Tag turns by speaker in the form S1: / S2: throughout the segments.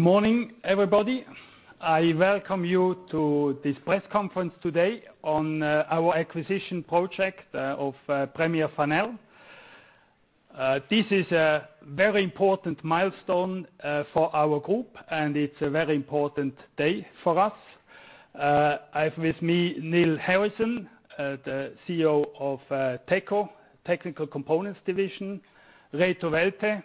S1: Good morning, everybody. I welcome you to this press conference today on our acquisition project of Premier Farnell. This is a very important milestone for our group, and it's a very important day for us. I have with me Neil Harrison, the CEO of Teco, Technical Components Division, Reto Welte,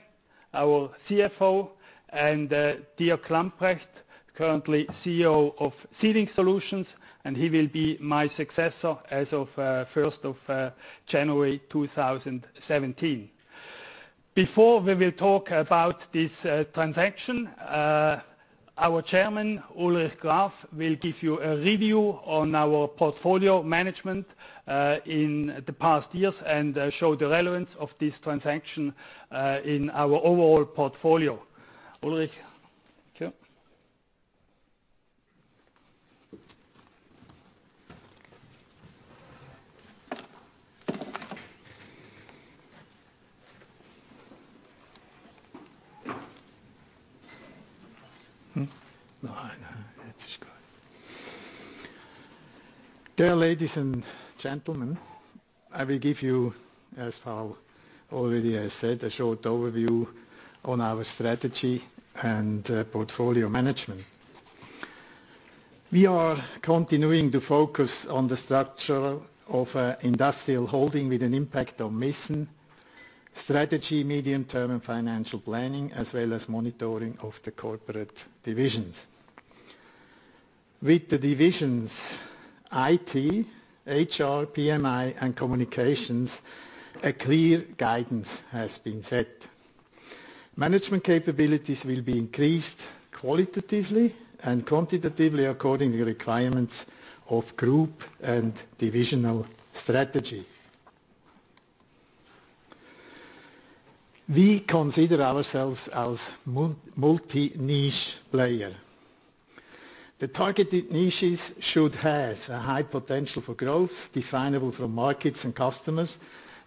S1: our CFO, and Dirk Lambrecht, currently CEO of Sealing Solutions, and he will be my successor as of 1st of January 2017. Before we will talk about this transaction, our Chairman, Ulrich Graf, will give you a review on our portfolio management in the past years and show the relevance of this transaction in our overall portfolio. Ulrich.
S2: Thank you. Dear ladies and gentlemen, I will give you, as Paul already has said, a short overview on our strategy and portfolio management. We are continuing to focus on the structure of industrial holding with an impact on mission, strategy, medium-term and financial planning, as well as monitoring of the corporate divisions. With the divisions IT, HR, PMI, and communications, a clear guidance has been set. Management capabilities will be increased qualitatively and quantitatively according to requirements of group and divisional strategy. We consider ourselves as multi-niche player. The targeted niches should have a high potential for growth definable for markets and customers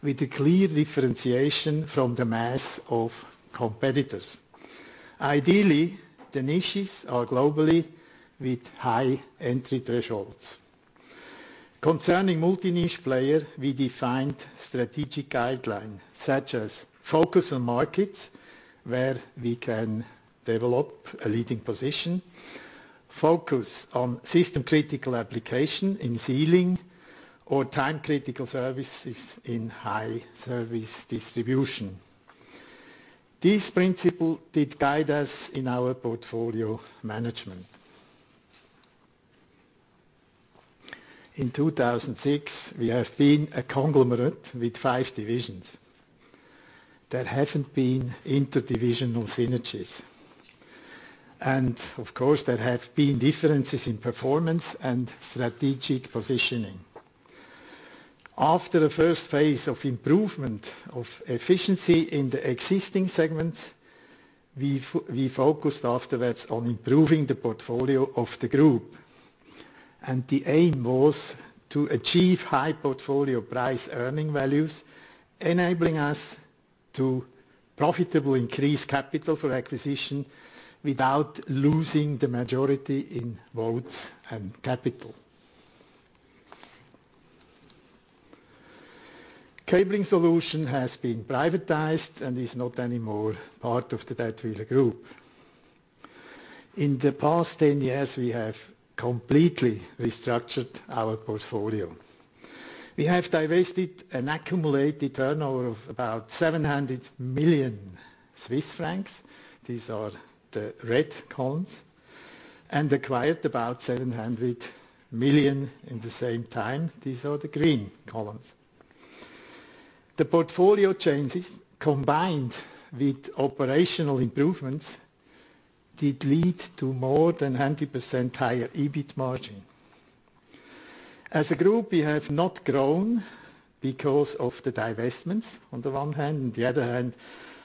S2: with a clear differentiation from the mass of competitors. Ideally, the niches are globally with high entry thresholds. Concerning multi-niche player, we defined strategic guideline such as focus on markets where we can develop a leading position, focus on system critical application in sealing, or time-critical services in high service distribution. This principle did guide us in our portfolio management. In 2006, we have been a conglomerate with five divisions. There haven't been interdivisional synergies. Of course, there have been differences in performance and strategic positioning. After the first phase of improvement of efficiency in the existing segments, we focused afterwards on improving the portfolio of the group. The aim was to achieve high portfolio price earning values, enabling us to profitable increase capital for acquisition without losing the majority in votes and capital. Cabling Solutions has been privatized and is not anymore part of the Dätwyler Group. In the past 10 years, we have completely restructured our portfolio. We have divested an accumulated turnover of about 700 million Swiss francs. These are the red columns, and acquired about 700 million in the same time. These are the green columns. The portfolio changes combined with operational improvements did lead to more than 100% higher EBIT margin. As a group, we have not grown because of the divestments on the one hand, and the other hand,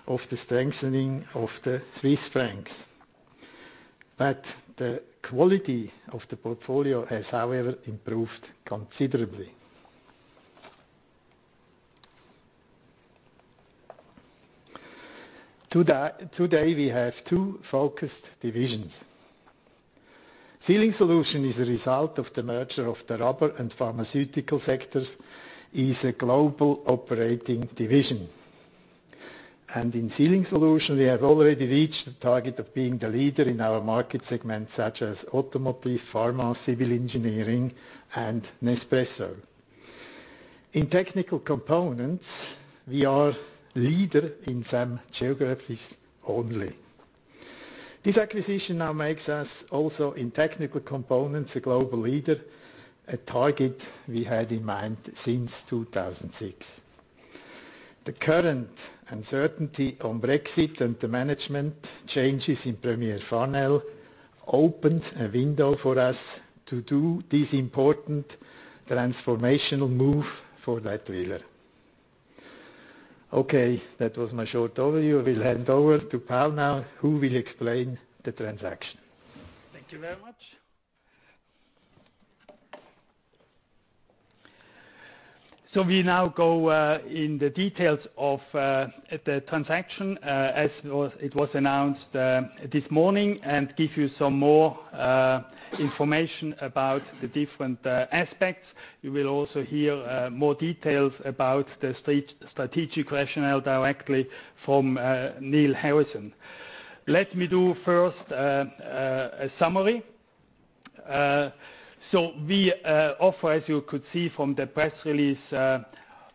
S2: of the strengthening of the Swiss francs. The quality of the portfolio has, however, improved considerably. Today, we have two focused divisions. Sealing Solutions is a result of the merger of the rubber and pharmaceutical sectors, is a global operating division. In Sealing Solutions, we have already reached the target of being the leader in our market segment, such as automotive, pharma, civil engineering, and Nespresso. In Technical Components, we are leader in some geographies only. This acquisition now makes us also in Technical Components a global leader, a target we had in mind since 2006. The current uncertainty on Brexit and the management changes in Premier Farnell opened a window for us to do this important transformational move for Dätwyler. Okay, that was my short overview. I will hand over to Paul now, who will explain the transaction.
S1: Thank you very much. We now go in the details of the transaction as it was announced this morning and give you some more information about the different aspects. You will also hear more details about the strategic rationale directly from Neil Harrison. Let me do first a summary. We offer, as you could see from the press release,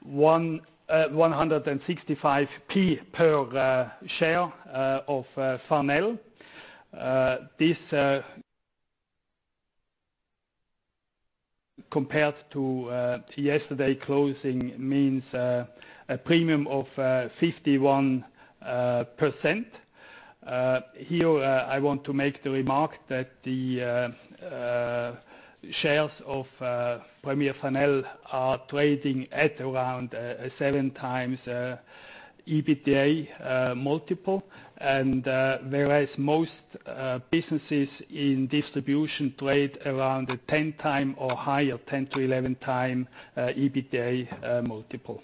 S1: 1.65 per share of Farnell. This compared to yesterday closing means a premium of 51%. Here, I want to make the remark that the shares of Premier Farnell are trading at around 7 times EBITDA multiple and whereas most businesses in distribution trade around the 10 times or higher, 10-11 times EBITDA multiple.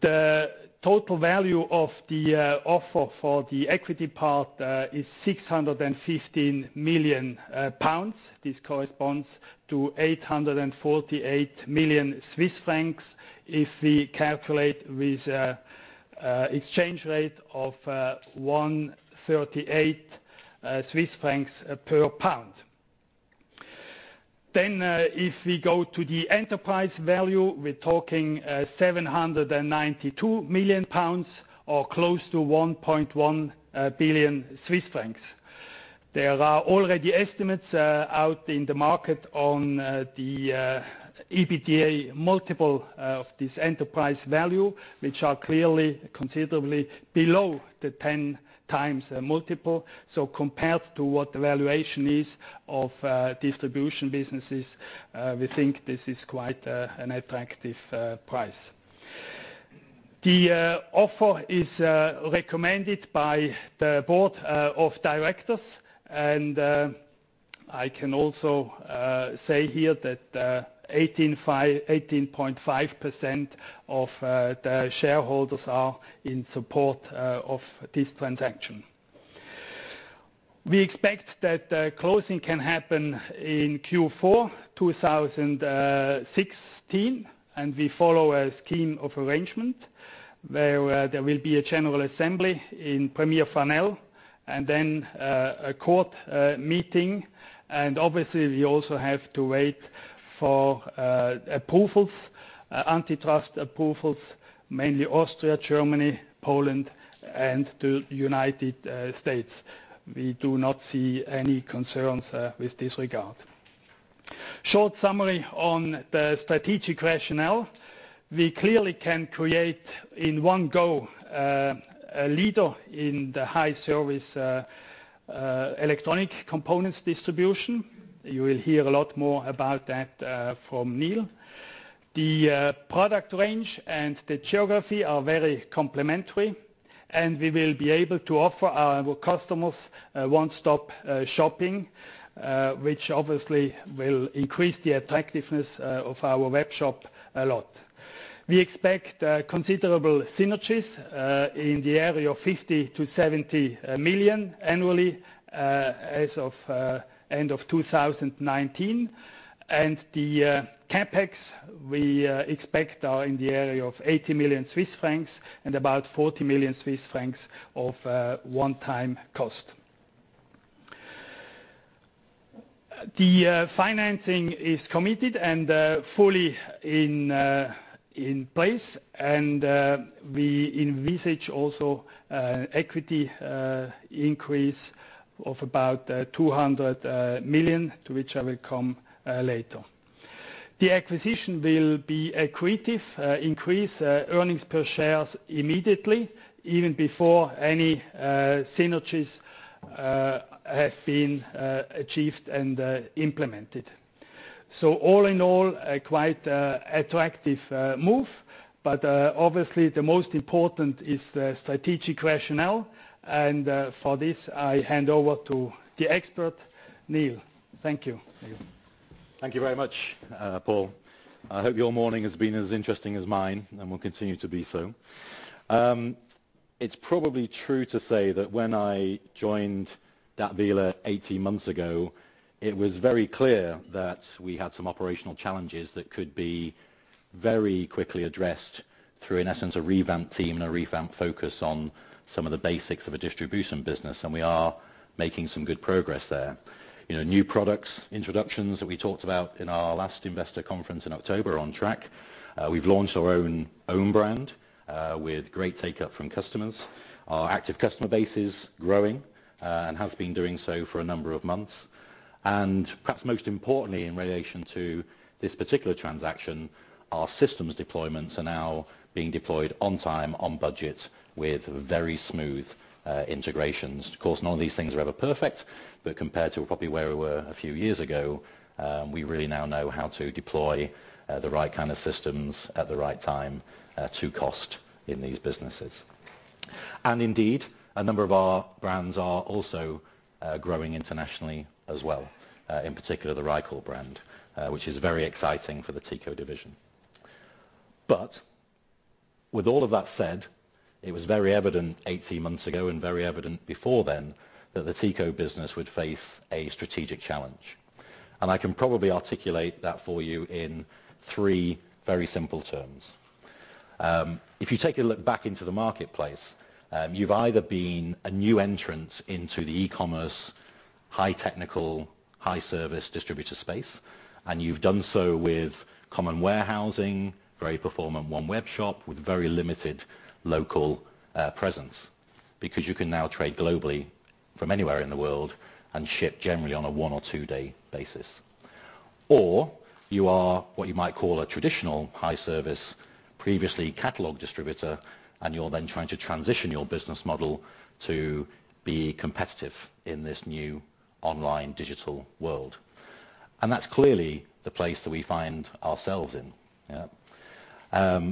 S1: The total value of the offer for the equity part is 615 million pounds. This corresponds to 848 million Swiss francs if we calculate with exchange rate of 138 Swiss francs per GBP. If we go to the enterprise value, we're talking 792 million pounds or close to 1.1 billion Swiss francs. There are already estimates out in the market on the EBITDA multiple of this enterprise value, which are clearly considerably below the 10x multiple. Compared to what the valuation is of distribution businesses, we think this is quite an attractive price. The offer is recommended by the board of directors, and I can also say here that 18.5% of the shareholders are in support of this transaction. We expect that closing can happen in Q4 2016, and we follow a scheme of arrangement where there will be a general assembly in Premier Farnell and then a court meeting, and obviously we also have to wait for approvals, antitrust approvals, mainly Austria, Germany, Poland, and the U.S. We do not see any concerns with this regard. Short summary on the strategic rationale. We clearly can create in one go a leader in the high service electronic components distribution. You will hear a lot more about that from Neil. The product range and the geography are very complementary, and we will be able to offer our customers one-stop shopping, which obviously will increase the attractiveness of our webshop a lot. We expect considerable synergies in the area of 50 million-70 million annually as of end of 2019. The CapEx we expect are in the area of 80 million Swiss francs and about 40 million Swiss francs of one-time cost. The financing is committed and fully in place and we envisage also equity increase of about 200 million, to which I will come later. The acquisition will be accretive, increase earnings per share immediately even before any synergies have been achieved and implemented. All in all, a quite attractive move, obviously the most important is the strategic rationale, for this I hand over to the expert, Neil. Thank you, Neil.
S3: Thank you very much, Paul. I hope your morning has been as interesting as mine and will continue to be so. It's probably true to say that when I joined Dätwyler 18 months ago, it was very clear that we had some operational challenges that could be very quickly addressed through, in essence, a revamped team and a revamped focus on some of the basics of a distribution business, we are making some good progress there. New products introductions that we talked about in our last investor conference in October are on track. We've launched our own brand with great take-up from customers. Our active customer base is growing and has been doing so for a number of months. Perhaps most importantly in relation to this particular transaction, our systems deployments are now being deployed on time, on budget with very smooth integrations. Of course, none of these things are ever perfect, compared to probably where we were a few years ago, we really now know how to deploy the right kind of systems at the right time to cost in these businesses. Indeed, a number of our brands are also growing internationally as well. In particular, the Reichelt brand, which is very exciting for the Teco division. With all of that said, it was very evident 18 months ago and very evident before then that the Teco business would face a strategic challenge. I can probably articulate that for you in three very simple terms. If you take a look back into the marketplace, you've either been a new entrant into the e-commerce, high technical, high service distributor space, and you've done so with common warehousing, very performant one web shop with very limited local presence. You can now trade globally from anywhere in the world and ship generally on a one or two-day basis. You are what you might call a traditional high service, previously catalog distributor, and you're then trying to transition your business model to be competitive in this new online digital world. That's clearly the place that we find ourselves in. Yeah.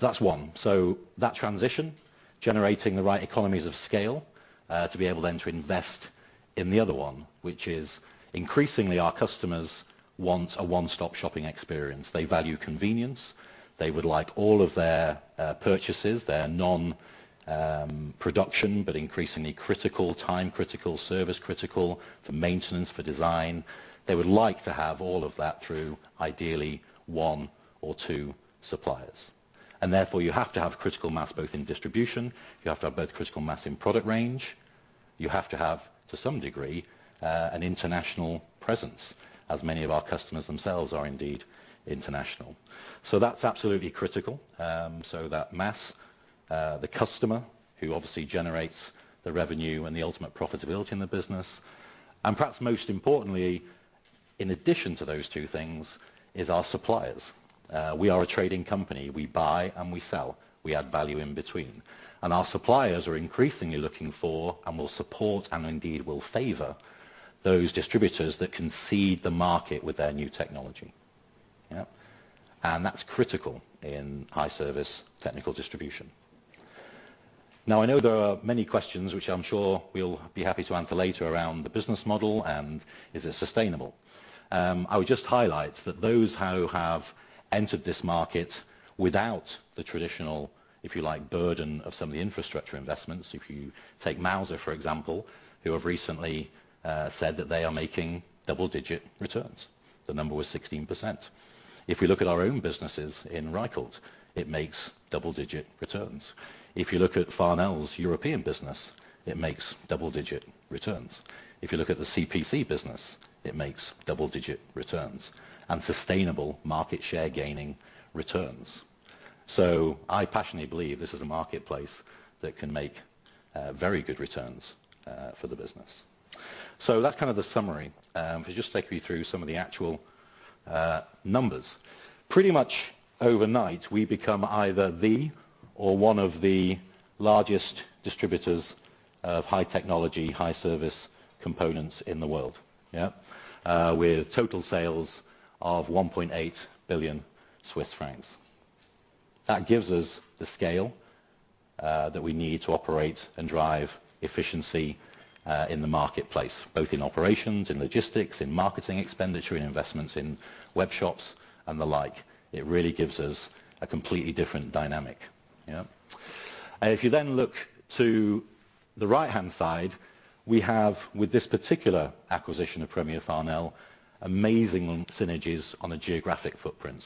S3: That's one. That transition, generating the right economies of scale, to be able then to invest in the other one, which is increasingly our customers want a one-stop shopping experience. They value convenience. They would like all of their purchases, their non-production, increasingly critical, time critical, service critical, for maintenance, for design. They would like to have all of that through ideally one or two suppliers. Therefore, you have to have critical mass both in distribution, you have to have both critical mass in product range, you have to have, to some degree, an international presence, as many of our customers themselves are indeed international. That's absolutely critical. That mass, the customer, who obviously generates the revenue and the ultimate profitability in the business. Perhaps most importantly, in addition to those two things, is our suppliers. We are a trading company. We buy and we sell. We add value in between. Our suppliers are increasingly looking for and will support and indeed will favor those distributors that can feed the market with their new technology. That's critical in high service technical distribution. I know there are many questions, which I am sure we will be happy to answer later around the business model and is it sustainable. I would just highlight that those who have entered this market without the traditional, if you like, burden of some of the infrastructure investments. If you take Mouser, for example, who have recently said that they are making double-digit returns. The number was 16%. If we look at our own businesses in Reichelt, it makes double-digit returns. If you look at Farnell's European business, it makes double-digit returns. If you look at the CPC business, it makes double-digit returns and sustainable market share gaining returns. I passionately believe this is a marketplace that can make very good returns for the business. That's kind of the summary. If I just take you through some of the actual numbers. Pretty much overnight, we become either the or one of the largest distributors of high technology, high service components in the world. With total sales of 1.8 billion Swiss francs. That gives us the scale that we need to operate and drive efficiency in the marketplace, both in operations, in logistics, in marketing expenditure, in investments in web shops, and the like. It really gives us a completely different dynamic. Look to the right-hand side, we have, with this particular acquisition of Premier Farnell, amazing synergies on the geographic footprints.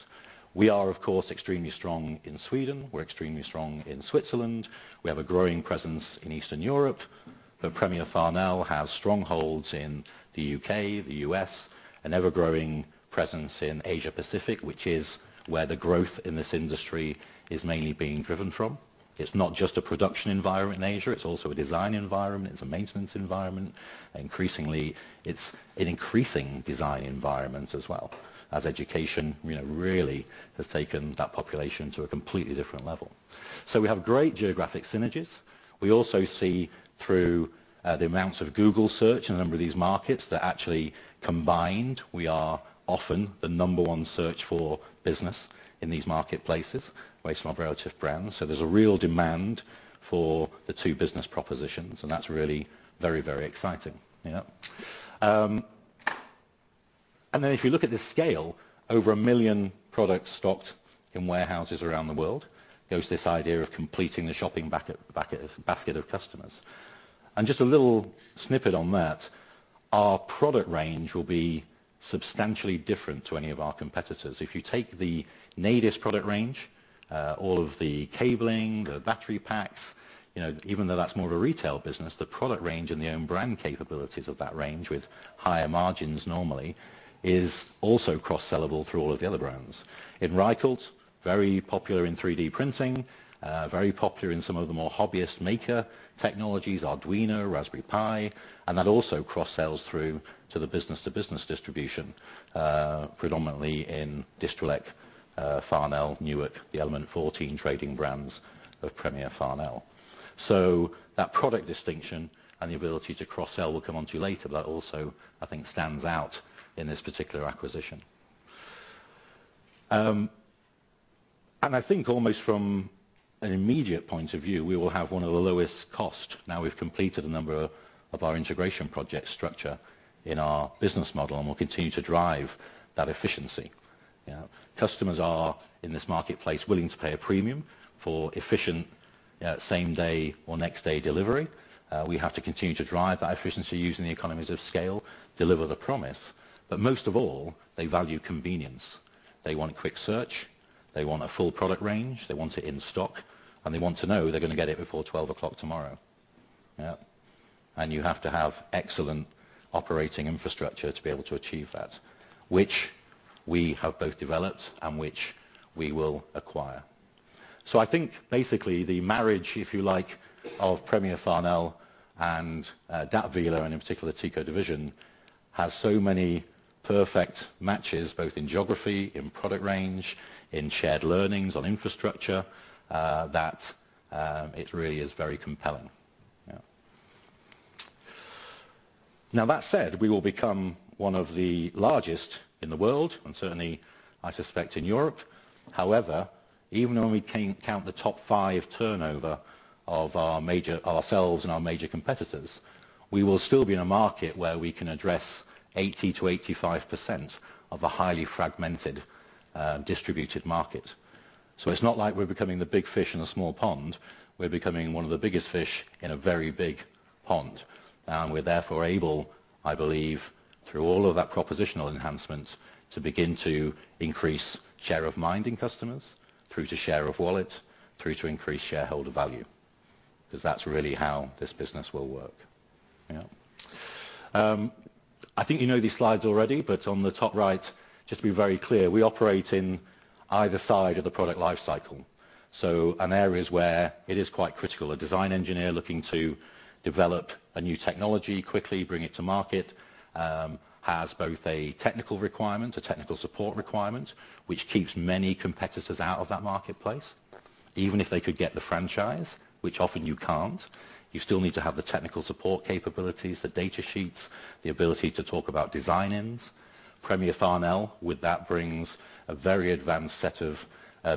S3: We are, of course, extremely strong in Sweden. We are extremely strong in Switzerland. We have a growing presence in Eastern Europe, but Premier Farnell has strongholds in the U.K., the U.S., an ever-growing presence in Asia-Pacific, which is where the growth in this industry is mainly being driven from. It's not just a production environment in Asia, it's also a design environment, it's a maintenance environment. Increasingly, it's an increasing design environment as well, as education really has taken that population to a completely different level. We have great geographic synergies. We also see through the amounts of Google search in a number of these markets that actually combined, we are often the number one search for business in these marketplaces based on our relative brands. There's a real demand for the two business propositions, and that's really very exciting. If you look at the scale, over a million products stocked in warehouses around the world, goes to this idea of completing the shopping basket of customers. Just a little snippet on that, our product range will be substantially different to any of our competitors. If you take the Nedis product range, all of the cabling, the battery packs, even though that's more of a retail business, the product range and the own brand capabilities of that range with higher margins normally is also cross-sellable through all of the other brands. In Reichelt, very popular in 3D printing, very popular in some of the more hobbyist maker technologies, Arduino, Raspberry Pi, and that also cross-sells through to the business-to-business distribution predominantly in Distrelec, Farnell, Newark, the element14 trading brands of Premier Farnell. That product distinction and the ability to cross-sell will come onto later, but also I think stands out in this particular acquisition. I think almost from an immediate point of view, we will have one of the lowest costs now we've completed a number of our integration project structure in our business model, and we'll continue to drive that efficiency. Customers are, in this marketplace, willing to pay a premium for efficient same-day or next-day delivery. We have to continue to drive that efficiency using the economies of scale, deliver the promise. Most of all, they value convenience. They want a quick search, they want a full product range, they want it in stock, and they want to know they're going to get it before 12 o'clock tomorrow. You have to have excellent operating infrastructure to be able to achieve that, which we have both developed and which we will acquire. I think basically the marriage, if you like, of Premier Farnell and Dätwyler, and in particular, the Teco division, has so many perfect matches, both in geography, in product range, in shared learnings on infrastructure, that it really is very compelling. That said, we will become one of the largest in the world and certainly, I suspect, in Europe. However, even when we count the top five turnover of ourselves and our major competitors, we will still be in a market where we can address 80%-85% of a highly fragmented, distributed market. It's not like we're becoming the big fish in a small pond. We're becoming one of the biggest fish in a very big pond. We're therefore able, I believe, through all of that propositional enhancement, to begin to increase share of mind in customers, through to share of wallet, through to increased shareholder value, because that's really how this business will work. I think you know these slides already, but on the top right, just to be very clear, we operate in either side of the product lifecycle, in areas where it is quite critical. A design engineer looking to develop a new technology quickly, bring it to market, has both a technical requirement, a technical support requirement, which keeps many competitors out of that marketplace. Even if they could get the franchise, which often you can't, you still need to have the technical support capabilities, the data sheets, the ability to talk about design-ins. Premier Farnell, with that brings a very advanced set of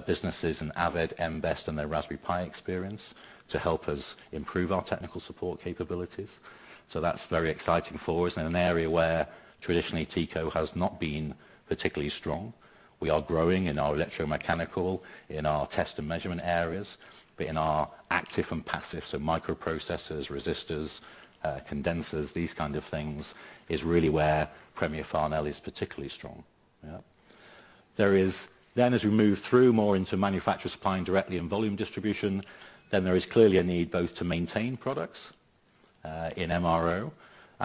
S3: businesses in Avnet, Mbed and their Raspberry Pi experience to help us improve our technical support capabilities. That's very exciting for us in an area where traditionally Teco has not been particularly strong. We are growing in our electromechanical, in our test and measurement areas. In our active and passive, so microprocessors, resistors, condensers, these kind of things, is really where Premier Farnell is particularly strong. As we move through more into manufacturer supplying directly and volume distribution, there is clearly a need both to maintain products in MRO.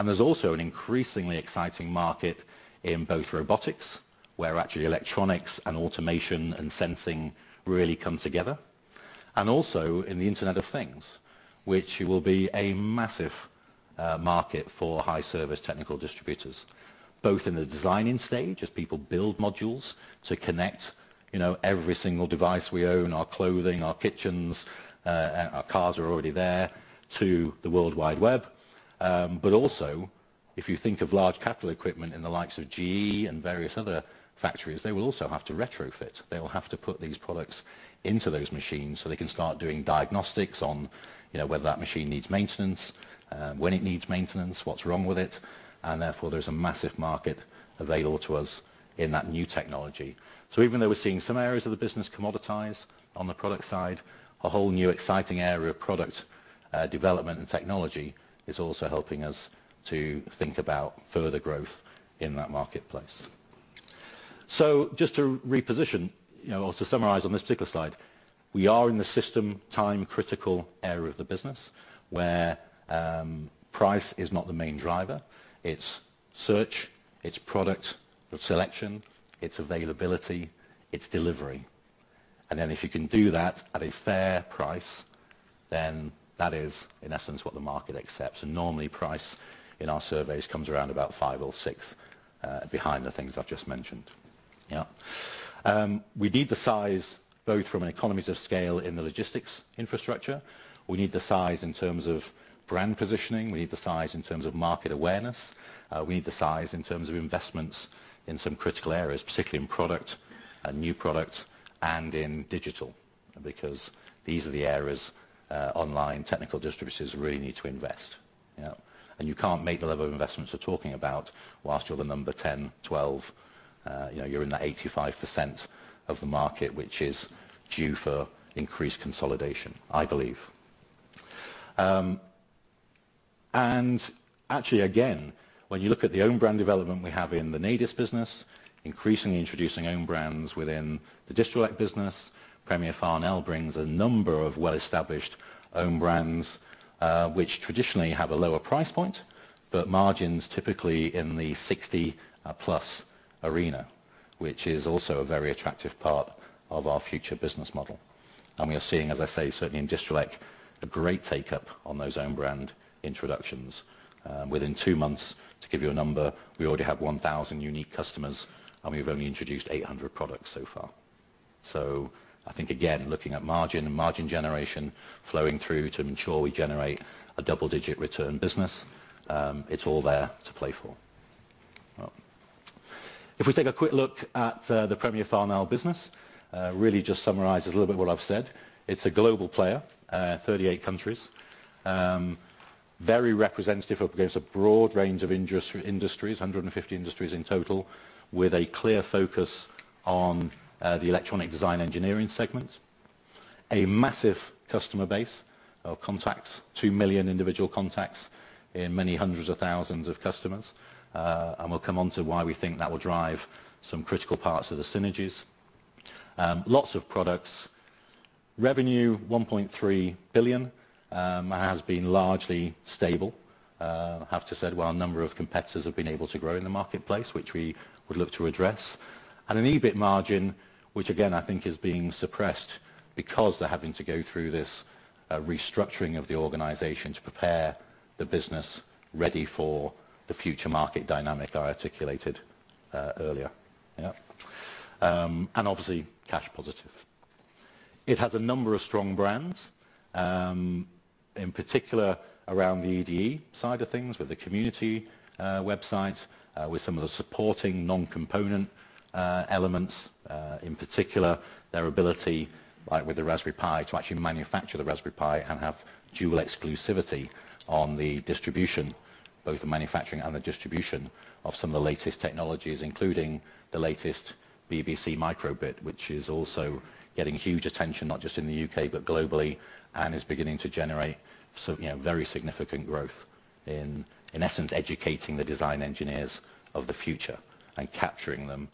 S3: There's also an increasingly exciting market in both robotics, where actually electronics and automation and sensing really come together. Also in the Internet of Things, which will be a massive market for high service technical distributors, both in the designing stage as people build modules to connect every single device we own, our clothing, our kitchens, our cars are already there, to the World Wide Web. Also, if you think of large capital equipment in the likes of GE and various other factories, they will also have to retrofit. They will have to put these products into those machines so they can start doing diagnostics on whether that machine needs maintenance, when it needs maintenance, what's wrong with it, therefore there's a massive market available to us in that new technology. Even though we're seeing some areas of the business commoditize on the product side, a whole new exciting area of product development and technology is also helping us to think about further growth in that marketplace. Just to reposition or to summarize on this particular slide, we are in the system time-critical area of the business, where price is not the main driver. It's search, it's product selection, it's availability, it's delivery. Then if you can do that at a fair price, then that is, in essence, what the market accepts. Normally, price in our surveys comes around about five or sixth behind the things I've just mentioned. We need the size, both from an economies of scale in the logistics infrastructure. We need the size in terms of brand positioning. We need the size in terms of market awareness. We need the size in terms of investments in some critical areas, particularly in product and new product and in digital, because these are the areas online technical distributors really need to invest. You can't make the level of investments we're talking about whilst you're the number 10, 12. You're in that 85% of the market, which is due for increased consolidation, I believe. Actually, again, when you look at the own brand development we have in the Nedis business, increasingly introducing own brands within the Distrelec business. Premier Farnell brings a number of well-established own brands, which traditionally have a lower price point, but margins typically in the 60-plus arena, which is also a very attractive part of our future business model. We are seeing, as I say, certainly in Distrelec, a great take-up on those own brand introductions. Within two months, to give you a number, we already have 1,000 unique customers, and we've only introduced 800 products so far. I think, again, looking at margin and margin generation flowing through to ensure we generate a double-digit return business, it's all there to play for. If we take a quick look at the Premier Farnell business, really just summarizes a little bit what I've said. It's a global player, 38 countries. Very representative against a broad range of industries, 150 industries in total, with a clear focus on the electronic design engineering segment. A massive customer base of contacts, 2 million individual contacts in many hundreds of thousands of customers. We will come on to why we think that will drive some critical parts of the synergies. Lots of products. Revenue 1.3 billion. Has been largely stable, have to say, while a number of competitors have been able to grow in the marketplace, which we would look to address. An EBIT margin, which again I think is being suppressed because they are having to go through this restructuring of the organization to prepare the business ready for the future market dynamic I articulated earlier. Obviously, cash positive. It has a number of strong brands. In particular, around the EDE side of things, with the community websites, with some of the supporting non-component elements. In particular, their ability, like with the Raspberry Pi, to actually manufacture the Raspberry Pi and have dual exclusivity on the distribution, both the manufacturing and the distribution of some of the latest technologies, including the latest BBC micro:bit, which is also getting huge attention, not just in the U.K., but globally, and is beginning to generate very significant growth in essence educating the design engineers of the future and capturing them,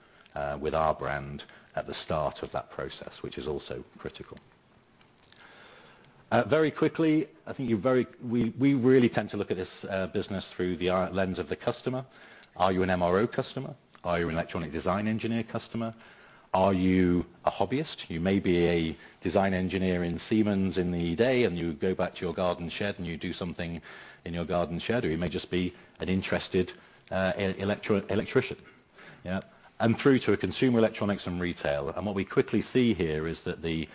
S3: with our brand at the start of that process, which is also critical. Very quickly, we really tend to look at this business through the lens of the customer. Are you an MRO customer? Are you an electronic design engineer customer? Are you a hobbyist? You may be a design engineer in Siemens in the day, and you go back to your garden shed and you do something in your garden shed, or you may just be an interested electrician. Through to consumer electronics and retail. What we quickly see here is that the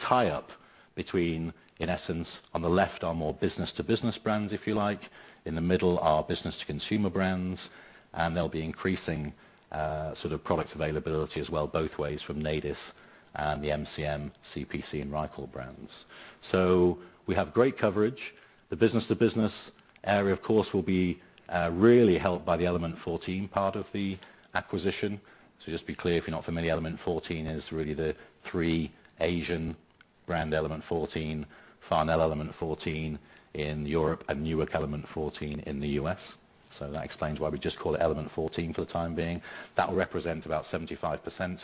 S3: tie-up between, in essence, on the left are more business-to-business brands, if you like. In the middle are business-to-consumer brands, and there will be increasing product availability as well both ways from Nedis and the MCM, CPC, and Reichelt brands. We have great coverage. The business-to-business area, of course, will be really helped by the element14 part of the acquisition. Just be clear, if you are not familiar, element14 is really the three Asian brand element14, Farnell element14 in Europe, and Newark element14 in the U.S. That explains why we just call it element14 for the time being. That will represent about 75%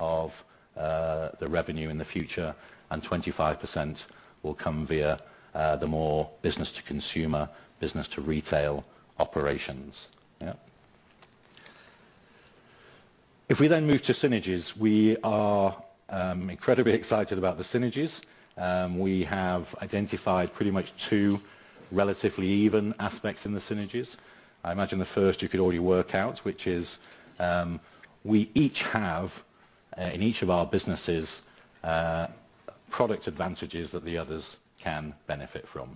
S3: of the revenue in the future, and 25% will come via the more business to consumer, business to retail operations. If we then move to synergies, we are incredibly excited about the synergies. We have identified pretty much 2 relatively even aspects in the synergies. I imagine the first you could already work out, which is, we each have, in each of our businesses, product advantages that the others can benefit from.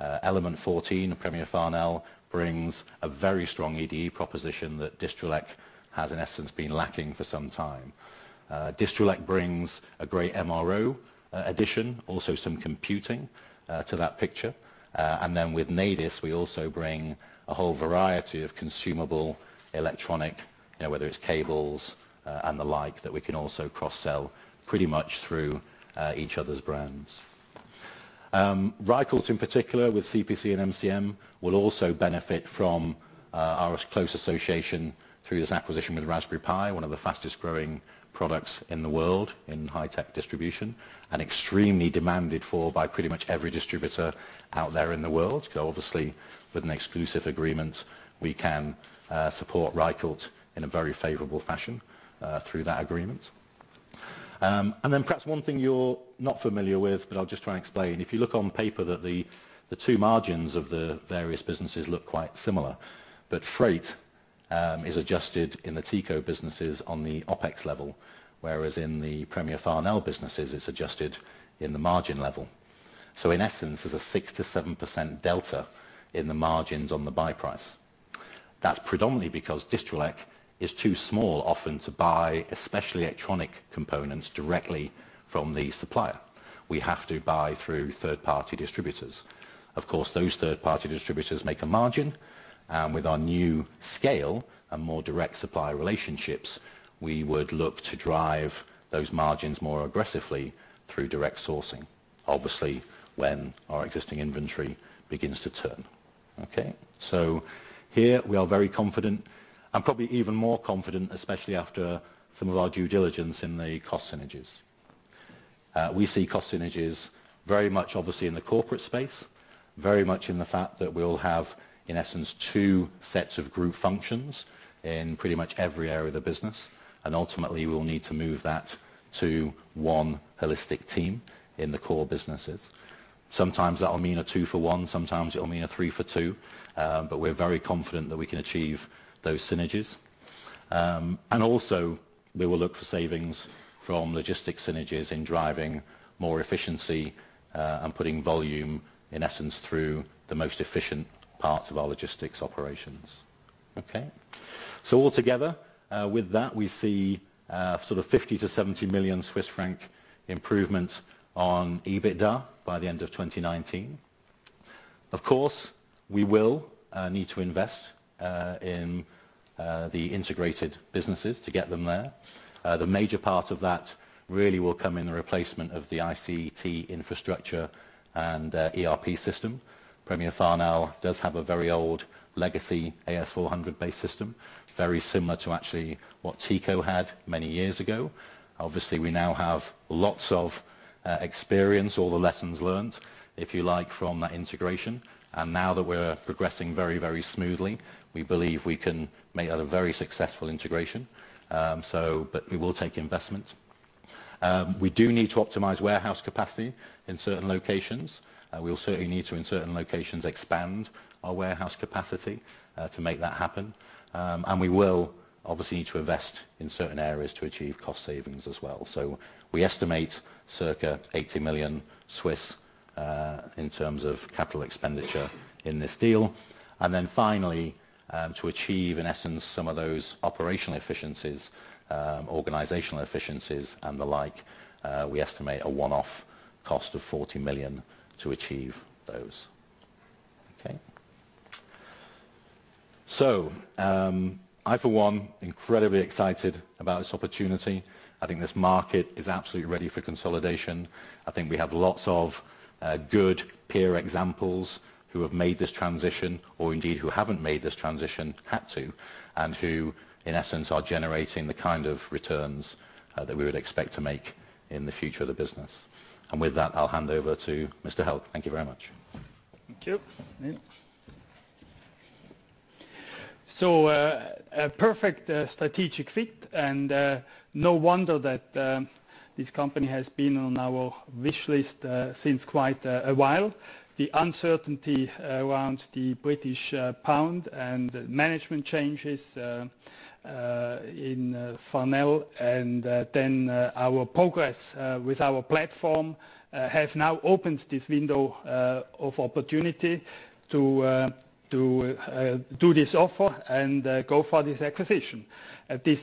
S3: element14, Premier Farnell brings a very strong EDE proposition that Distrelec has, in essence, been lacking for some time. Distrelec brings a great MRO addition, also some computing to that picture. With Nedis, we also bring a whole variety of consumable electronic, whether it's cables and the like, that we can also cross-sell pretty much through each other's brands. Ryco, in particular with CPC and MCM, will also benefit from our close association through this acquisition with Raspberry Pi, one of the fastest-growing products in the world in high-tech distribution, and extremely demanded for by pretty much every distributor out there in the world. Obviously, with an exclusive agreement, we can support Ryco in a very favorable fashion, through that agreement. Perhaps one thing you're not familiar with, but I'll just try and explain. If you look on paper that the two margins of the various businesses look quite similar, but freight is adjusted in the Teco businesses on the OpEx level, whereas in the Premier Farnell businesses, it's adjusted in the margin level. In essence, there's a 6% to 7% delta in the margins on the buy price. That's predominantly because Distrelec is too small often to buy, especially electronic components directly from the supplier. We have to buy through third-party distributors. Those third-party distributors make a margin. With our new scale and more direct supplier relationships, we would look to drive those margins more aggressively through direct sourcing, obviously, when our existing inventory begins to turn. Here we are very confident and probably even more confident, especially after some of our due diligence in the cost synergies. We see cost synergies very much obviously in the corporate space, very much in the fact that we all have, in essence, two sets of group functions in pretty much every area of the business. Ultimately, we'll need to move that to one holistic team in the core businesses. Sometimes that will mean a two for one, sometimes it'll mean a three for two. But we're very confident that we can achieve those synergies. We will look for savings from logistics synergies in driving more efficiency, and putting volume, in essence, through the most efficient parts of our logistics operations. Altogether, with that, we see 50 million CHF to 70 million Swiss franc improvement on EBITDA by the end of 2019. Of course, we will need to invest in the integrated businesses to get them there. The major part of that really will come in the replacement of the ICT infrastructure and ERP system. Premier Farnell does have a very old legacy AS/400 base system, very similar to actually what Teco had many years ago. We now have lots of experience, all the lessons learned, if you like, from that integration. Now that we're progressing very, very smoothly, we believe we can make that a very successful integration. We will take investment. We do need to optimize warehouse capacity in certain locations. We will certainly need to, in certain locations, expand our warehouse capacity to make that happen. We will obviously need to invest in certain areas to achieve cost savings as well. We estimate circa 80 million in terms of capital expenditure in this deal. Finally, to achieve, in essence, some of those operational efficiencies, organizational efficiencies, and the like, we estimate a one-off cost of 40 million to achieve those. I for one, incredibly excited about this opportunity. I think this market is absolutely ready for consolidation. I think we have lots of good peer examples who have made this transition or indeed who haven't made this transition, had to, and who, in essence, are generating the kind of returns that we would expect to make in the future of the business. With that, I'll hand over to Mr. Hälg. Thank you very much.
S1: Thank you. A perfect strategic fit and no wonder that this company has been on our wish list since quite a while. The uncertainty around the British pound and management changes in Farnell, then our progress with our platform have now opened this window of opportunity to do this offer and go for this acquisition at this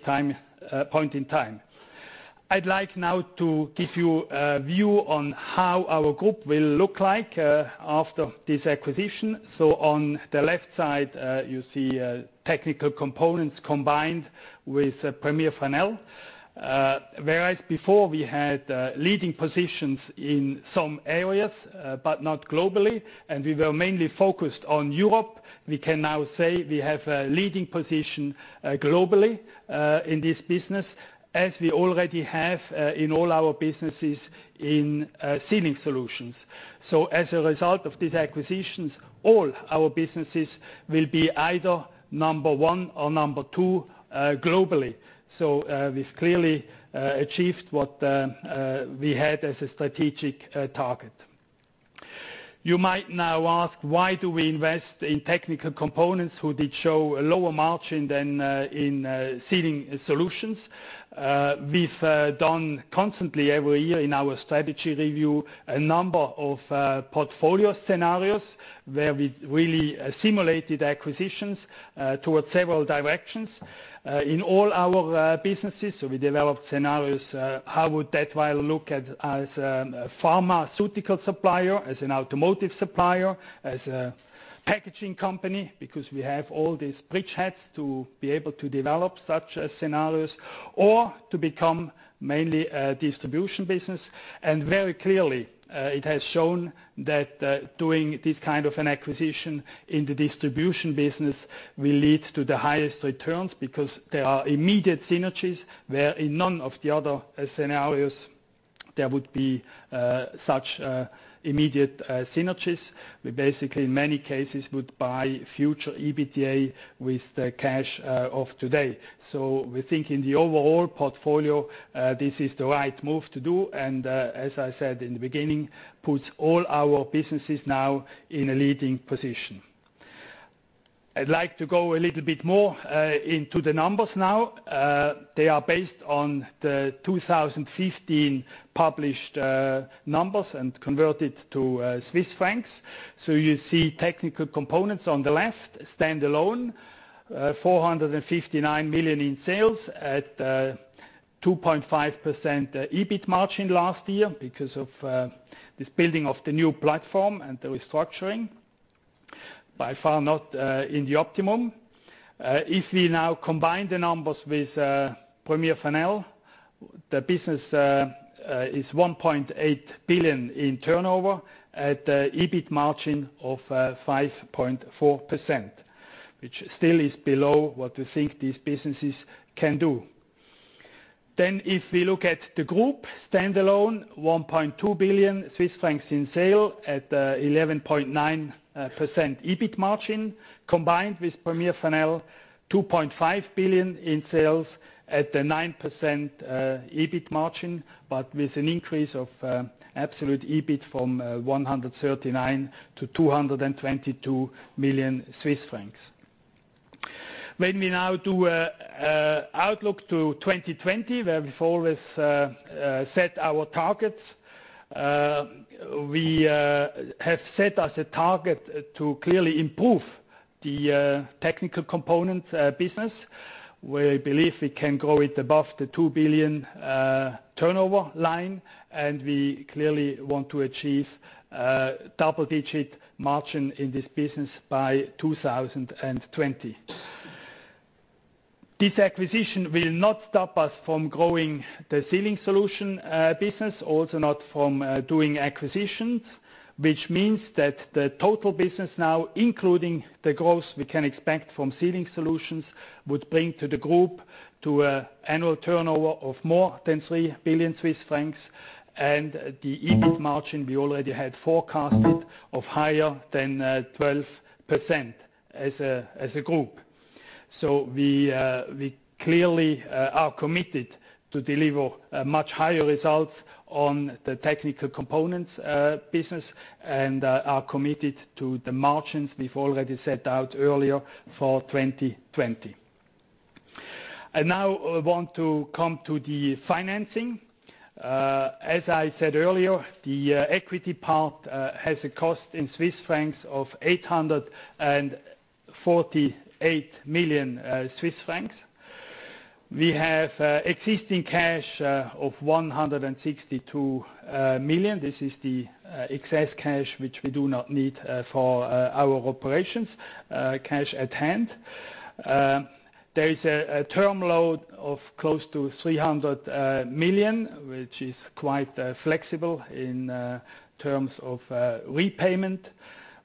S1: point in time. I'd like now to give you a view on how our group will look like after this acquisition. On the left side, you see Technical Components combined with Premier Farnell. Whereas before we had leading positions in some areas, but not globally, and we were mainly focused on Europe, we can now say we have a leading position globally in this business, as we already have in all our businesses in Sealing Solutions. As a result of these acquisitions, all our businesses will be either number one or number two globally. We've clearly achieved what we had as a strategic target. You might now ask, why do we invest in Technical Components who did show a lower margin than in Sealing Solutions? We've done constantly every year in our strategy review a number of portfolio scenarios where we really simulated acquisitions towards several directions in all our businesses. We developed scenarios, how would Dätwyler look at as a pharmaceutical supplier, as an automotive supplier, as a packaging company? Because we have all these bridgeheads to be able to develop such scenarios or to become mainly a distribution business. Very clearly, it has shown that doing this kind of an acquisition in the distribution business will lead to the highest returns because there are immediate synergies, where in none of the other scenarios there would be such immediate synergies. We basically in many cases would buy future EBITDA with the cash of today. We think in the overall portfolio, this is the right move to do and as I said in the beginning, puts all our businesses now in a leading position. I'd like to go a little bit more into the numbers now. They are based on the 2015 published numbers and converted to CHF. You see Technical Components on the left, standalone, 459 million in sales at 2.5% EBIT margin last year because of this building of the new platform and the restructuring. By far not in the optimum. We now combine the numbers with Premier Farnell, the business is 1.8 billion in turnover at an EBIT margin of 5.4%, which still is below what we think these businesses can do. We look at the group standalone, 1.2 billion Swiss francs in sales at 11.9% EBIT margin, combined with Premier Farnell, 2.5 billion in sales at the 9% EBIT margin, but with an increase of absolute EBIT from 139 million to 222 million Swiss francs. Let me now do a outlook to 2020, where we've always set our targets. We have set as a target to clearly improve the Technical Components business, where I believe we can grow it above the 2 billion turnover line, and we clearly want to achieve double-digit margin in this business by 2020. This acquisition will not stop us from growing the Sealing Solutions business, also not from doing acquisitions, which means that the total business now, including the growth we can expect from Sealing Solutions, would bring to the group to annual turnover of more than 3 billion Swiss francs, and the EBIT margin we already had forecasted of higher than 12% as a group. We clearly are committed to deliver much higher results on the Technical Components business and are committed to the margins we've already set out earlier for 2020. I now want to come to the financing. As I said earlier, the equity part has a cost in Swiss francs of 848 million Swiss francs. We have existing cash of 162 million. This is the excess cash which we do not need for our operations, cash at hand. There is a term loan of close to 300 million, which is quite flexible in terms of repayment.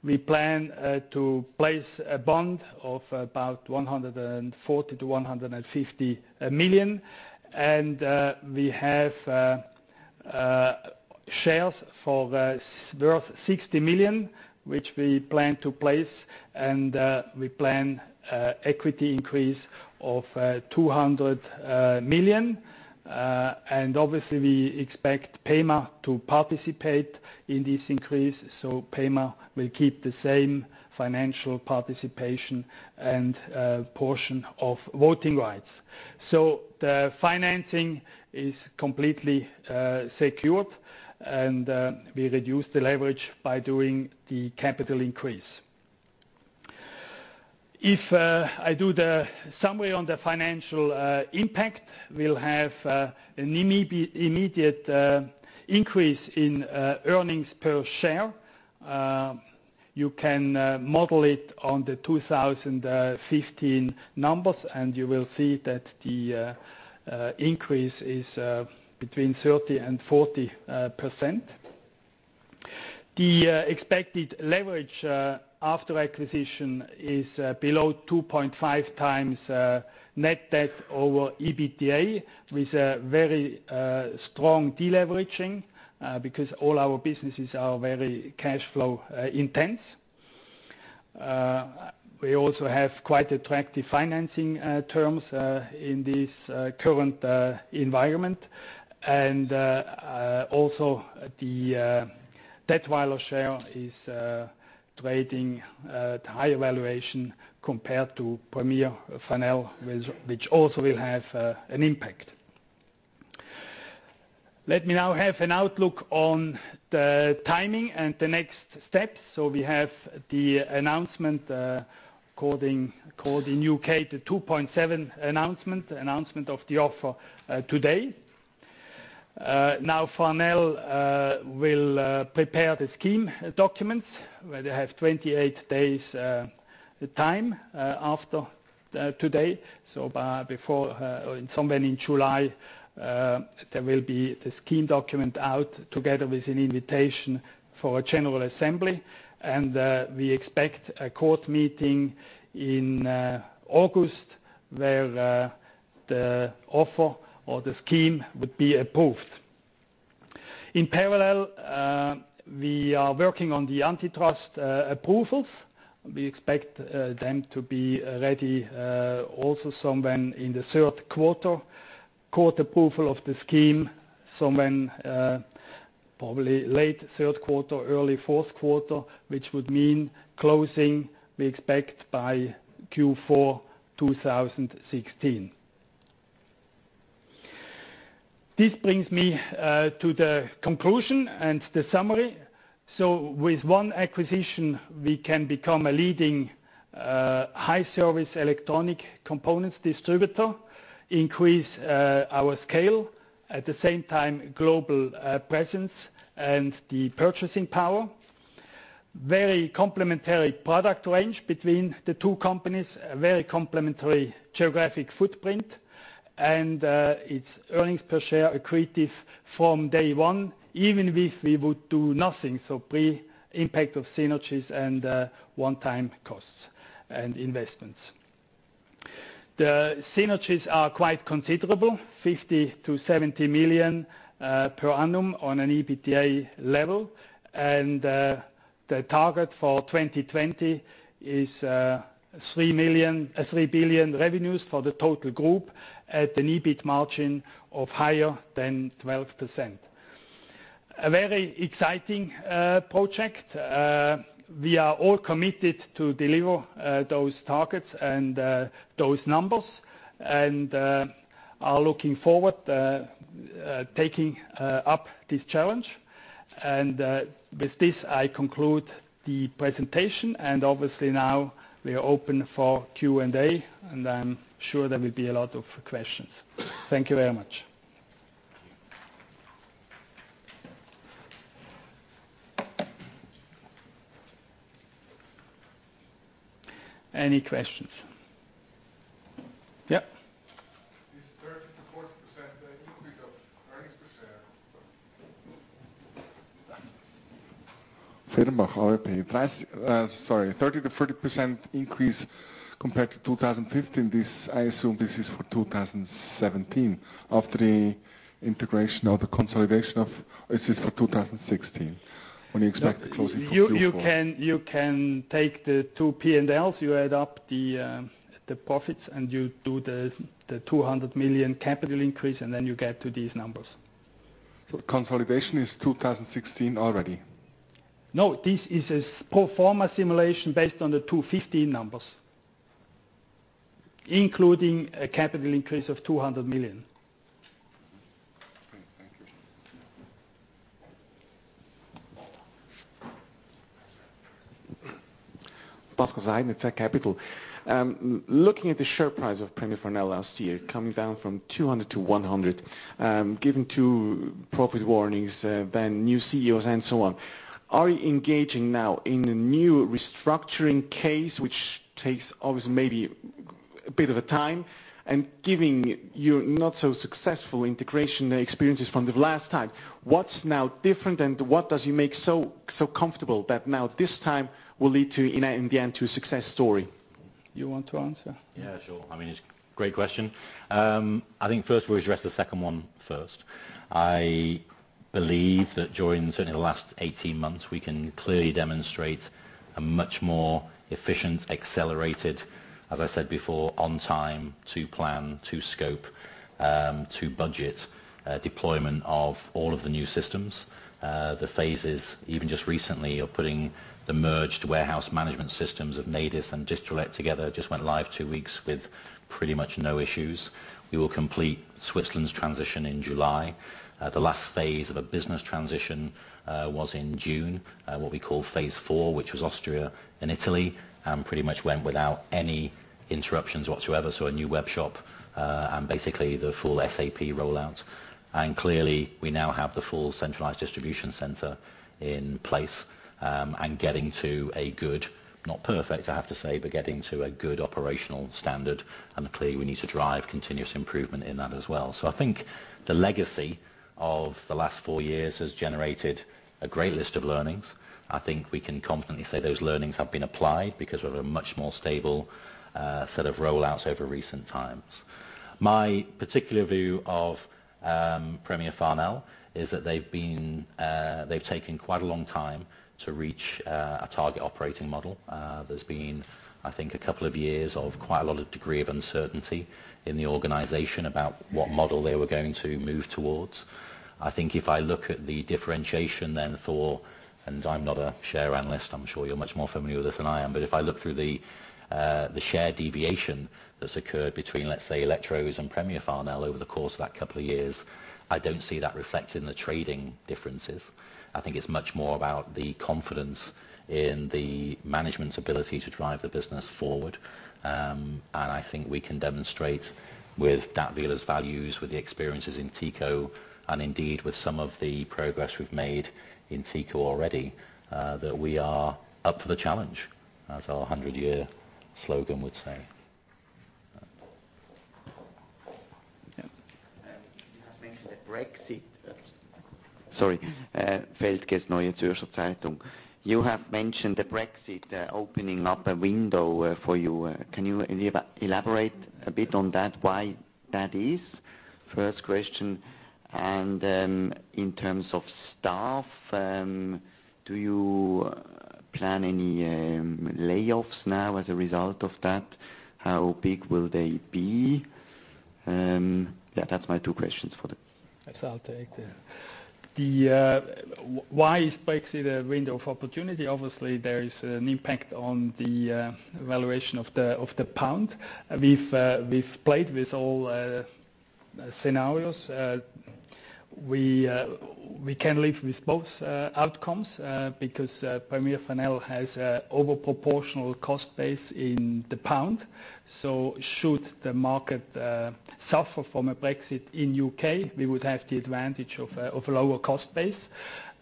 S1: We plan to place a bond of about 140 million to 150 million. We have shares worth 60 million, which we plan to place, and we plan equity increase of 200 million. Obviously, we expect PEMA to participate in this increase. PEMA will keep the same financial participation and portion of voting rights. The financing is completely secured, and we reduce the leverage by doing the capital increase. If I do the summary on the financial impact, we'll have an immediate increase in earnings per share. You can model it on the 2015 numbers, and you will see that the increase is between 30% and 40%. The expected leverage after acquisition is below 2.5x net debt over EBITDA, with a very strong deleveraging, because all our businesses are very cash flow intense. We also have quite attractive financing terms in this current environment. Also the Dätwyler share is trading at higher valuation compared to Premier Farnell, which also will have an impact. Let me now have an outlook on the timing and the next steps. We have the announcement, called in U.K., the Rule 2.7 announcement of the offer today. Farnell will prepare the scheme documents, where they have 28 days time after today. Somewhere in July, there will be the scheme document out together with an invitation for a general assembly. We expect a court meeting in August, where the offer or the scheme would be approved. In parallel, we are working on the antitrust approvals. We expect them to be ready also sometime in the third quarter. Court approval of the scheme, probably late third quarter, early fourth quarter, which would mean closing, we expect by Q4 2016. This brings me to the conclusion and the summary. With one acquisition, we can become a leading high service electronic components distributor, increase our scale, at the same time, global presence and the purchasing power. Very complementary product range between the two companies, very complementary geographic footprint, and its earnings per share accretive from day one, even if we would do nothing. Pre-impact of synergies and one-time costs and investments. The synergies are quite considerable, 50 million to 70 million per annum on an EBITDA level. The target for 2020 is 3 billion revenues for the total group at an EBIT margin of higher than 12%. A very exciting project. We are all committed to deliver those targets and those numbers, and are looking forward taking up this challenge. With this, I conclude the presentation. Obviously now we are open for Q&A, and I'm sure there will be a lot of questions. Thank you very much. Any questions? Yep.
S4: Is 30%-40% the increase of earnings per share? Ferber, AWP. Sorry, 30%-40% increase compared to 2015. I assume this is for 2017 after the integration or the consolidation of Or is this for 2016, when you expect the closing of Q4?
S1: You can take the two P&Ls. You add up the profits, you do the 200 million capital increase, then you get to these numbers.
S4: Consolidation is 2016 already?
S1: No. This is a pro forma simulation based on the 2015 numbers, including a capital increase of 200 million.
S4: Okay. Thank you.
S5: Pascal Sein, Zürcher Kantonalbank. Looking at the share price of Premier Farnell last year, coming down from 2.00 to 1.00. Given two profit warnings, then new CEOs and so on, are you engaging now in a new restructuring case, which takes obviously maybe a bit of a time? Given your not so successful integration experiences from the last time, what's now different and what does it make so comfortable that now this time will lead in the end to a success story?
S1: You want to answer?
S3: Yeah, sure. It's a great question. First we'll address the second one first. I believe that during certainly the last 18 months, we can clearly demonstrate a much more efficient, accelerated, as I said before, on time, to plan, to scope, to budget deployment of all of the new systems. The phases, even just recently, of putting the merged warehouse management systems of Nedis and Distrelec together just went live two weeks with pretty much no issues. We will complete Switzerland's transition in July. The last phase of a business transition was in June, what we call phase 4, which was Austria and Italy, and pretty much went without any interruptions whatsoever. A new web shop, and basically the full SAP rollout. Clearly, we now have the full centralized distribution center in place, and getting to a good, not perfect I have to say, but getting to a good operational standard. Clearly, we need to drive continuous improvement in that as well. I think the legacy of the last four years has generated a great list of learnings. I think we can confidently say those learnings have been applied because we have a much more stable set of rollouts over recent times. My particular view of Premier Farnell is that they've taken quite a long time to reach a target operating model. There's been, I think, a couple of years of quite a lot of degree of uncertainty in the organization about what model they were going to move towards. I think if I look at the differentiation then for, and I'm not a share analyst, I'm sure you're much more familiar with this than I am. If I look through the share deviation that's occurred between, let's say, Electrocomponents and Premier Farnell over the course of that couple of years, I don't see that reflected in the trading differences. I think it's much more about the confidence in the management's ability to drive the business forward. I think we can demonstrate with Dätwyler's values, with the experiences in Teco, and indeed with some of the progress we've made in Teco already, that we are up for the challenge, as our 100-year slogan would say. Yep.
S6: Felkess, Neue Zürcher Zeitung. You have mentioned the Brexit opening up a window for you. Can you elaborate a bit on that, why that is? First question. In terms of staff, do you plan any layoffs now as a result of that? How big will they be? Yeah, that's my two questions for them.
S1: I'll take that. Why is Brexit a window of opportunity? Obviously, there is an impact on the valuation of the pound. We've played with all scenarios. We can live with both outcomes because Premier Farnell has over proportional cost base in the pound. Should the market suffer from a Brexit in U.K., we would have the advantage of a lower cost base.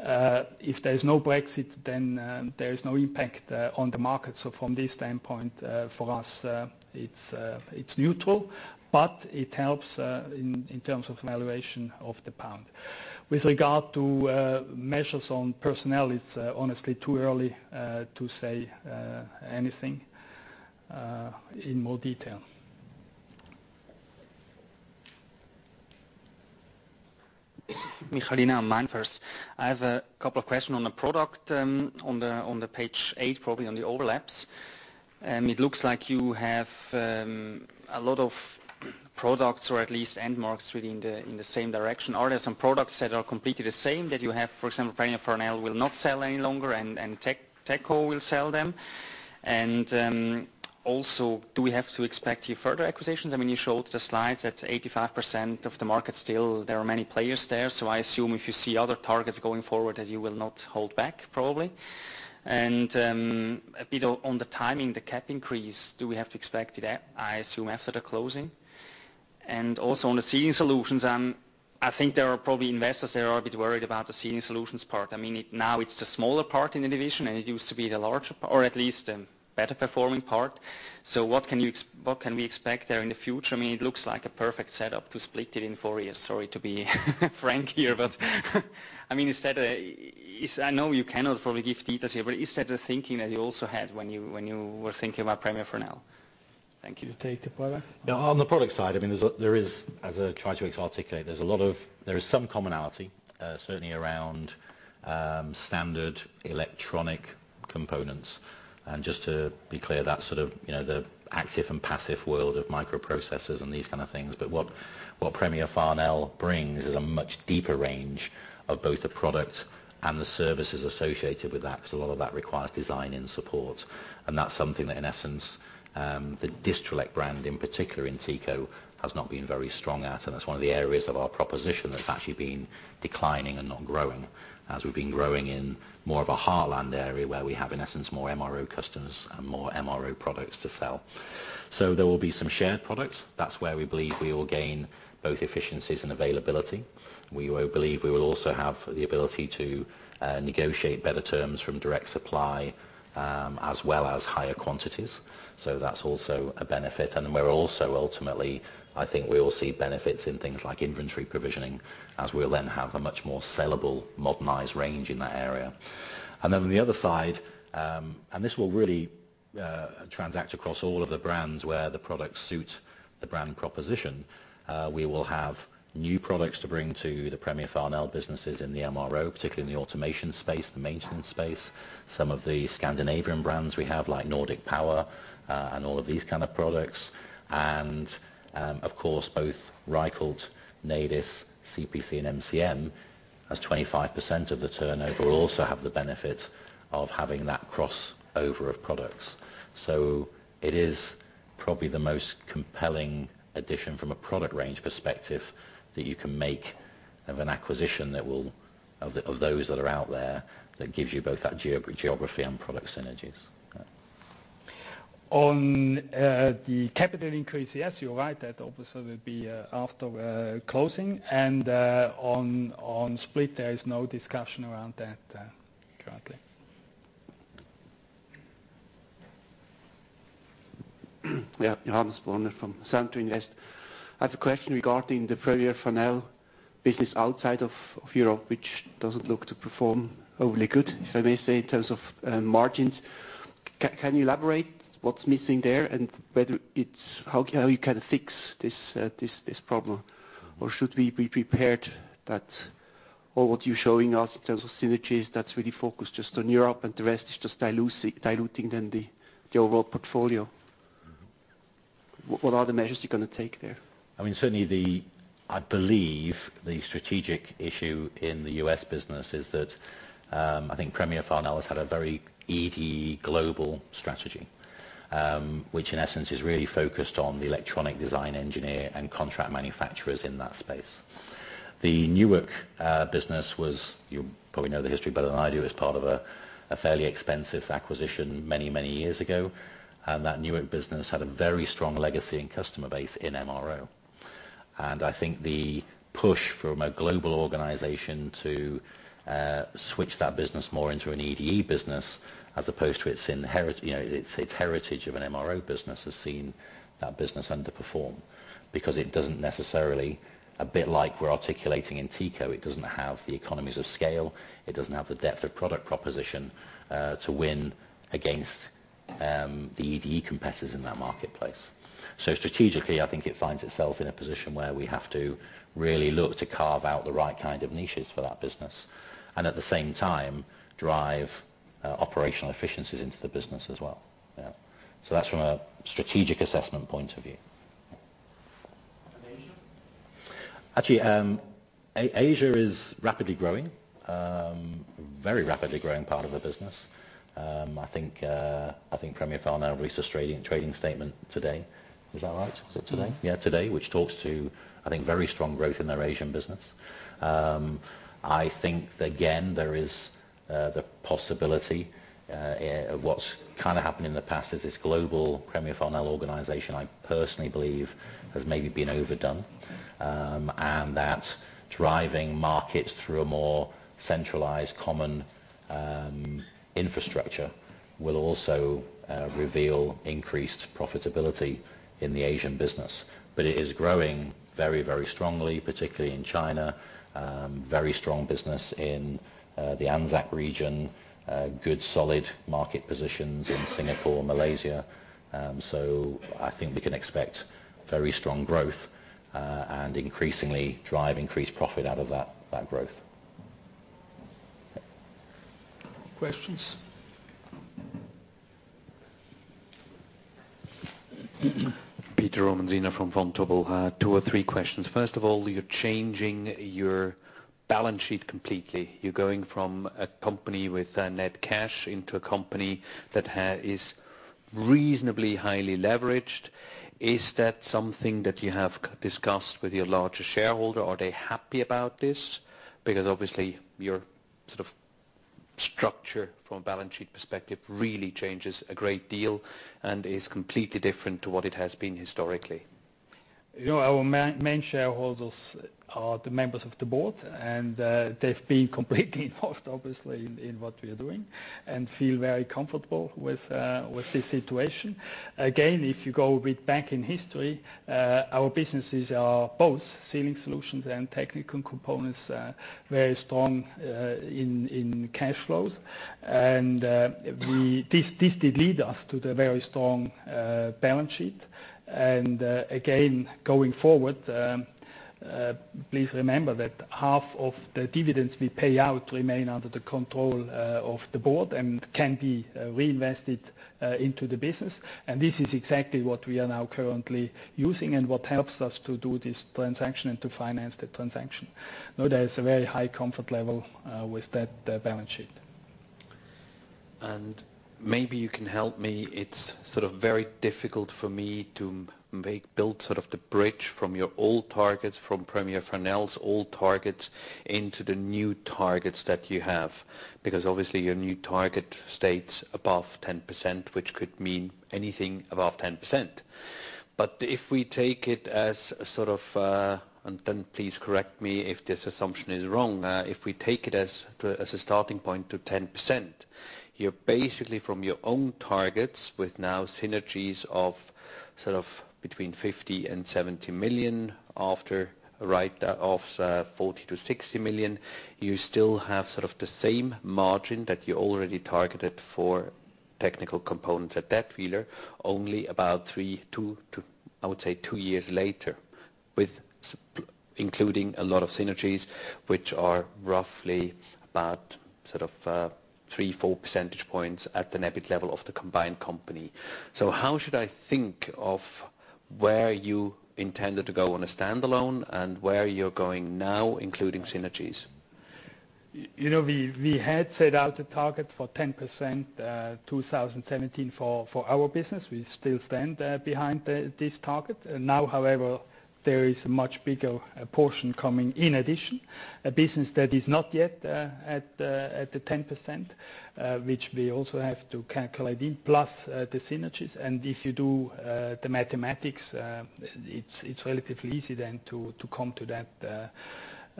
S1: If there's no Brexit, then there is no impact on the market. From this standpoint, for us, it's neutral, but it helps in terms of valuation of the pound. With regard to measures on personnel, it's honestly too early to say anything in more detail.
S7: Michaelina, MainFirst. I have a couple of questions on the product on the page eight, probably on the overlaps. It looks like you have a lot of products or at least end markets really in the same direction. Are there some products that are completely the same that you have? For example, Premier Farnell will not sell any longer and Teco will sell them. Do we have to expect further acquisitions? You showed the slides that 85% of the market still, there are many players there. I assume if you see other targets going forward that you will not hold back probably. A bit on the timing, the cap increase, do we have to expect it, I assume, after the closing? Also, on the Sealing Solutions, I think there are probably investors that are a bit worried about the Sealing Solutions part. Now it's the smaller part in the division, and it used to be the larger or at least better performing part. What can we expect there in the future? It looks like a perfect setup to split it in four years. Sorry to be frank here, but I know you cannot probably give details here, but is that a thinking that you also had when you were thinking about Premier Farnell? Thank you.
S1: You take it, Paul?
S3: On the product side, as I try to articulate, there is some commonality, certainly around standard electronic components. Just to be clear, that's the active and passive world of microprocessors and these kind of things. What Premier Farnell brings is a much deeper range of both the product and the services associated with that, because a lot of that requires design and support. That's something that, in essence, the Distrelec brand in particular in Teco has not been very strong at, and that's one of the areas of our proposition that's actually been declining and not growing. As we've been growing in more of a heartland area where we have, in essence, more MRO customers and more MRO products to sell. There will be some shared products. That's where we believe we will gain both efficiencies and availability. We believe we will also have the ability to negotiate better terms from direct supply, as well as higher quantities. That's also a benefit. We're also ultimately, I think we will see benefits in things like inventory provisioning, as we'll then have a much more sellable modernized range in that area. Then on the other side, this will really transact across all of the brands where the product suits the brand proposition. We will have new products to bring to the Premier Farnell businesses in the MRO, particularly in the automation space, the maintenance space. Some of the Scandinavian brands we have, like Nordic Power, and all of these kind of products. Of course, both Reichelt, Nedis, CPC, and MCM, as 25% of the turnover, will also have the benefit of having that crossover of products. It is probably the most compelling addition from a product range perspective that you can make of an acquisition of those that are out there that gives you both that geography and product synergies.
S1: On the capital increase, yes, you're right, that obviously will be after closing. On split, there is no discussion around that currently.
S8: Yeah. Johannes Bonner from Centurion West. I have a question regarding the Premier Farnell business outside of Europe, which doesn't look to perform overly good, if I may say, in terms of margins. Can you elaborate what's missing there and how you can fix this problem? Should we be prepared that all what you're showing us in terms of synergies, that's really focused just on Europe and the rest is just diluting then the overall portfolio. What are the measures you're going to take there?
S3: Certainly, I believe the strategic issue in the U.S. business is that, I think Premier Farnell has had a very EDE global strategy, which in essence is really focused on the electronic design engineer and contract manufacturers in that space. The Newark business was, you probably know the history better than I do, is part of a fairly expensive acquisition many years ago. That Newark business had a very strong legacy and customer base in MRO. I think the push from a global organization to switch that business more into an EDE business as opposed to its heritage of an MRO business, has seen that business underperform. It doesn't necessarily, a bit like we're articulating in Teco, it doesn't have the economies of scale, it doesn't have the depth of product proposition, to win against the EDE competitors in that marketplace. Strategically, I think it finds itself in a position where we have to really look to carve out the right kind of niches for that business, and at the same time, drive operational efficiencies into the business as well. Yeah. That's from a strategic assessment point of view.
S8: Asia?
S3: Actually, Asia is rapidly growing. Very rapidly growing part of the business. I think Premier Farnell released a trading statement today. Was that right? Is it today? Yeah, today, which talks to, I think, very strong growth in their Asian business. I think, again, there is the possibility of what's happened in the past is this global Premier Farnell organization, I personally believe has maybe been overdone. That driving markets through a more centralized common infrastructure will also reveal increased profitability in the Asian business. It is growing very strongly, particularly in China. Very strong business in the ANZ region. Good solid market positions in Singapore and Malaysia. I think we can expect very strong growth, and increasingly drive increased profit out of that growth.
S1: Questions?
S9: Peter Romanzina from Vontobel. Two or three questions. First of all, you're changing your balance sheet completely. You're going from a company with a net cash into a company that is reasonably highly leveraged. Is that something that you have discussed with your larger shareholder? Are they happy about this? Obviously, your structure from a balance sheet perspective really changes a great deal and is completely different to what it has been historically.
S1: Our main shareholders are the members of the board, they've been completely involved, obviously, in what we are doing and feel very comfortable with this situation. Again, if you go a bit back in history, our businesses are both Sealing Solutions and Technical Components, very strong in cash flows. This did lead us to the very strong balance sheet. Again, going forward, please remember that half of the dividends we pay out remain under the control of the board and can be reinvested into the business. This is exactly what we are now currently using and what helps us to do this transaction and to finance the transaction. There is a very high comfort level with that balance sheet.
S9: Maybe you can help me. It's very difficult for me to build the bridge from your old targets, from Premier Farnell's old targets, into the new targets that you have. Because obviously, your new target states above 10%, which could mean anything above 10%. If we take it as a starting point to 10%, you're basically from your own targets with now synergies of between 50 million-70 million after write-offs of 40 million-60 million. You still have the same margin that you already targeted for Technical Components at Dätwyler only about three, I would say, two years later, including a lot of synergies, which are roughly about three, four percentage points at an EBIT level of the combined company. How should I think of where you intended to go on a standalone and where you're going now, including synergies?
S1: We had set out a target for 10% 2017 for our business. We still stand behind this target. However, there is a much bigger portion coming in addition. A business that is not yet at the 10%, which we also have to calculate in, plus the synergies. If you do the mathematics, it's relatively easy then to come to that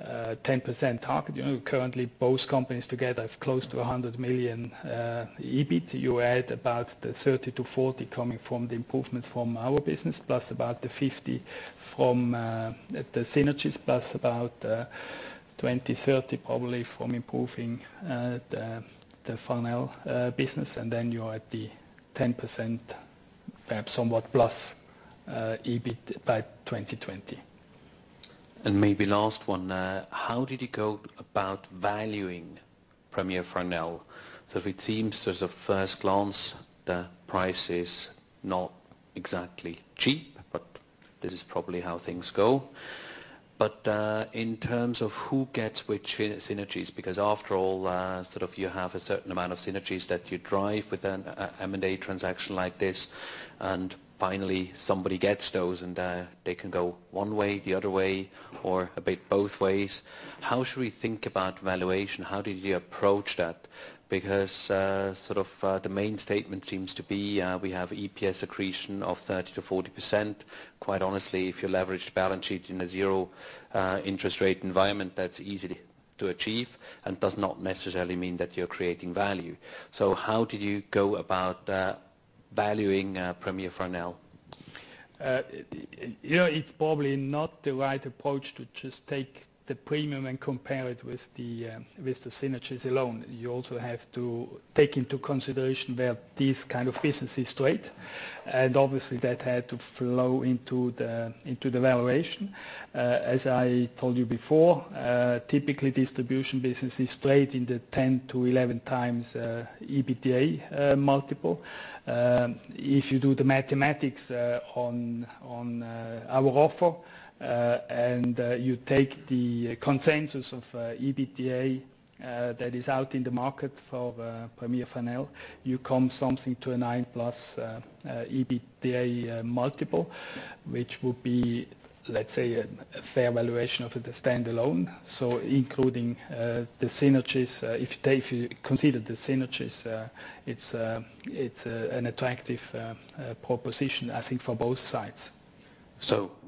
S1: 10% target. Currently, both companies together have close to 100 million EBIT. You add about the 30 million-40 million coming from the improvements from our business, plus about the 50 million from the synergies, plus about 20 million-30 million probably from improving the Farnell business. You are at the 10%, perhaps somewhat plus EBIT by 2020.
S9: Maybe last one. How did you go about valuing Premier Farnell? It seems at a first glance, the price is not exactly cheap, but this is probably how things go. In terms of who gets which synergies, because after all, you have a certain amount of synergies that you drive with an M&A transaction like this, and finally, somebody gets those, and they can go one way, the other way, or a bit both ways. How should we think about valuation? How did you approach that? Because the main statement seems to be we have EPS accretion of 30%-40%. Quite honestly, if you leverage the balance sheet in a zero interest rate environment, that's easy to achieve and does not necessarily mean that you're creating value. How did you go about valuing Premier Farnell?
S1: It's probably not the right approach to just take the premium and compare it with the synergies alone. You also have to take into consideration where this kind of business is traded. Obviously, that had to flow into the valuation. As I told you before, typically distribution business is traded in the 10 to 11x EBITDA multiple. If you do the mathematics on our offer, and you take the consensus of EBITDA that is out in the market for Premier Farnell, you come something to a nine-plus EBITDA multiple, which would be, let's say, a fair valuation of the standalone. Including the synergies, if you consider the synergies, it's an attractive proposition, I think, for both sides.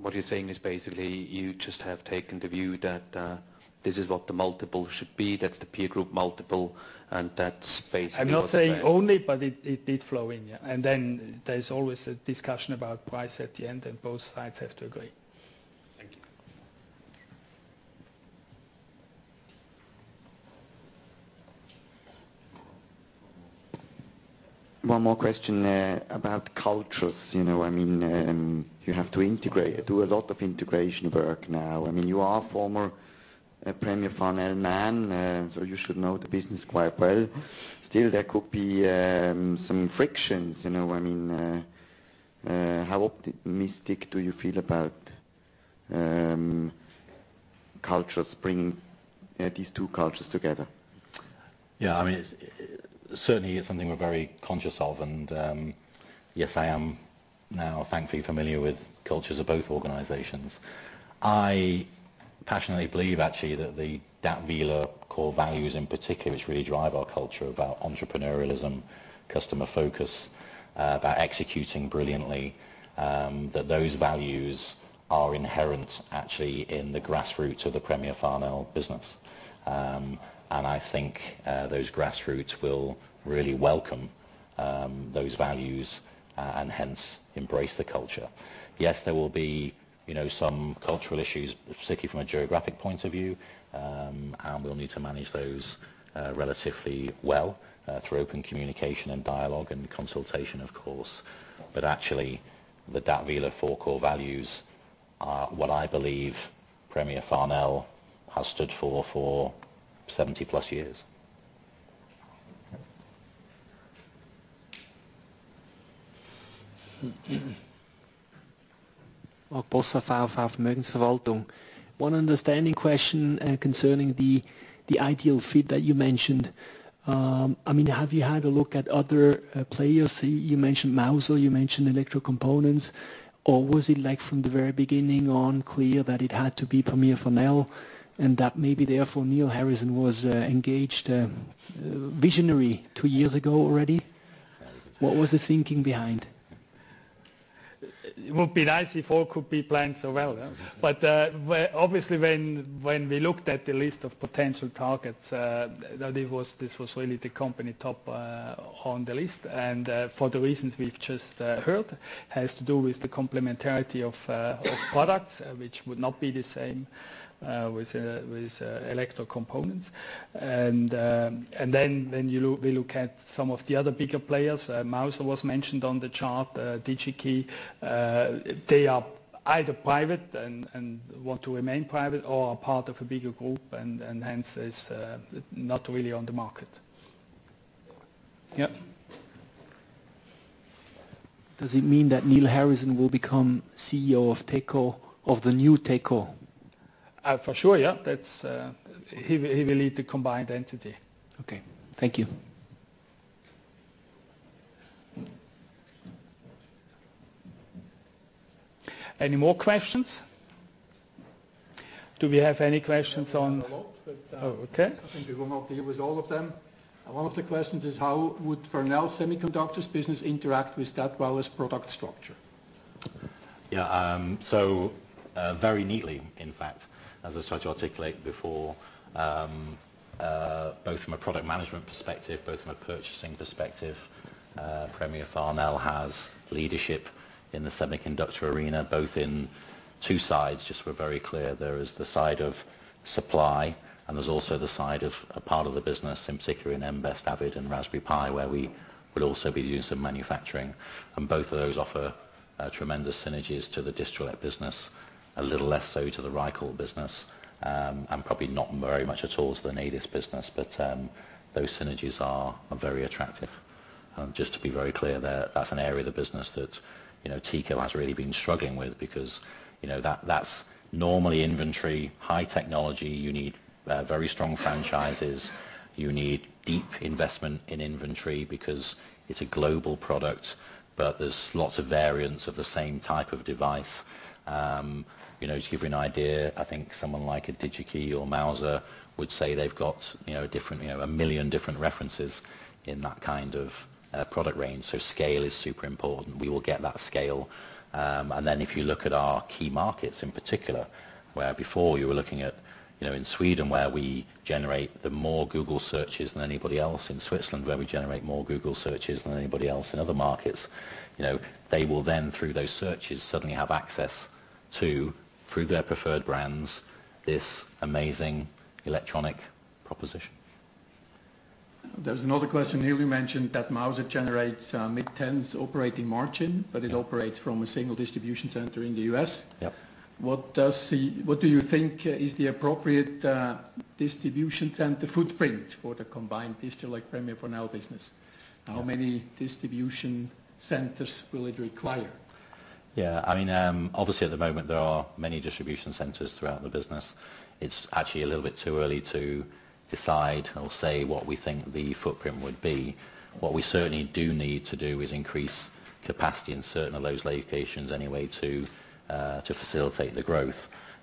S9: What you're saying is basically you just have taken the view that this is what the multiple should be, that's the peer group multiple, and that's basically what the.
S1: I'm not saying only, but it did flow in, yeah. Then there's always a discussion about price at the end, and both sides have to agree.
S9: Thank you.
S6: One more question about cultures. You have to do a lot of integration work now. You are former Premier Farnell man, so you should know the business quite well. Still, there could be some frictions. How optimistic do you feel about cultures bringing these two cultures together?
S3: Yeah. Certainly, it's something we're very conscious of, and yes, I am now thankfully familiar with cultures of both organizations. I passionately believe actually that the Dätwyler core values in particular, which really drive our culture of our entrepreneurialism, customer focus, about executing brilliantly, that those values are inherent actually in the grassroots of the Premier Farnell business. I think those grassroots will really welcome those values and hence embrace the culture. Yes, there will be some cultural issues, particularly from a geographic point of view, and we'll need to manage those relatively well through open communication and dialogue and consultation, of course. Actually, the Dätwyler four core values are what I believe Premier Farnell has stood for 70 plus years.
S6: Okay.
S10: Markus Boser, VHV Vermögensverwaltung. One understanding question concerning the ideal fit that you mentioned. Have you had a look at other players? You mentioned Mouser, you mentioned Electrocomponents, or was it from the very beginning on clear that it had to be Premier Farnell, and that maybe therefore Neil Harrison was engaged visionary two years ago already? What was the thinking behind?
S1: It would be nice if all could be planned so well. Obviously, when we looked at the list of potential targets, this was really the company top on the list, and for the reasons we've just heard, has to do with the complementarity of products, which would not be the same with Electrocomponents. Then we look at some of the other bigger players. Mouser was mentioned on the chart, Digi-Key. They are either private and want to remain private or are part of a bigger group and hence is not really on the market.
S10: Does it mean that Neil Harrison will become CEO of the new Teco?
S1: For sure, yeah. He will lead the combined entity.
S10: Okay. Thank you.
S1: Any more questions? Do we have any questions?
S11: We have a lot.
S1: Oh, okay.
S11: I think we will not deal with all of them. One of the questions is how would Farnell's semiconductors business interact with Dätwyler's product structure?
S3: Yeah. Very neatly, in fact, as I tried to articulate before, both from a product management perspective, both from a purchasing perspective, Premier Farnell has leadership in the semiconductor arena, both in two sides, just we're very clear. There is the side of supply, and there's also the side of a part of the business, in particular in Mbed, Adafruit, and Raspberry Pi, where we will also be doing some manufacturing. Both of those offer tremendous synergies to the Distrelec business, a little less so to the Reichelt business, and probably not very much at all to the Nedis business. Those synergies are very attractive. Just to be very clear, that's an area of the business that Teco has really been struggling with because that's normally inventory, high technology. You need very strong franchises. You need deep investment in inventory because it's a global product, but there's lots of variants of the same type of device. To give you an idea, I think someone like a Digi-Key or Mouser would say they've got 1 million different references in that kind of product range, so scale is super important. We will get that scale. If you look at our key markets in particular, where before you were looking at in Sweden, where we generate the more Google searches than anybody else, in Switzerland where we generate more Google searches than anybody else, in other markets. They will then, through those searches, suddenly have access to, through their preferred brands, this amazing electronic proposition.
S1: There's another question here. We mentioned that Mouser generates mid-10s operating margin.
S3: Yeah
S1: It operates from a single distribution center in the U.S.
S3: Yep.
S1: What do you think is the appropriate distribution center footprint for the combined Distrelec Premier Farnell business?
S3: Yeah.
S1: How many distribution centers will it require?
S3: Yeah. Obviously at the moment, there are many distribution centers throughout the business. It's actually a little bit too early to decide or say what we think the footprint would be. What we certainly do need to do is increase capacity in certain of those locations anyway to facilitate the growth.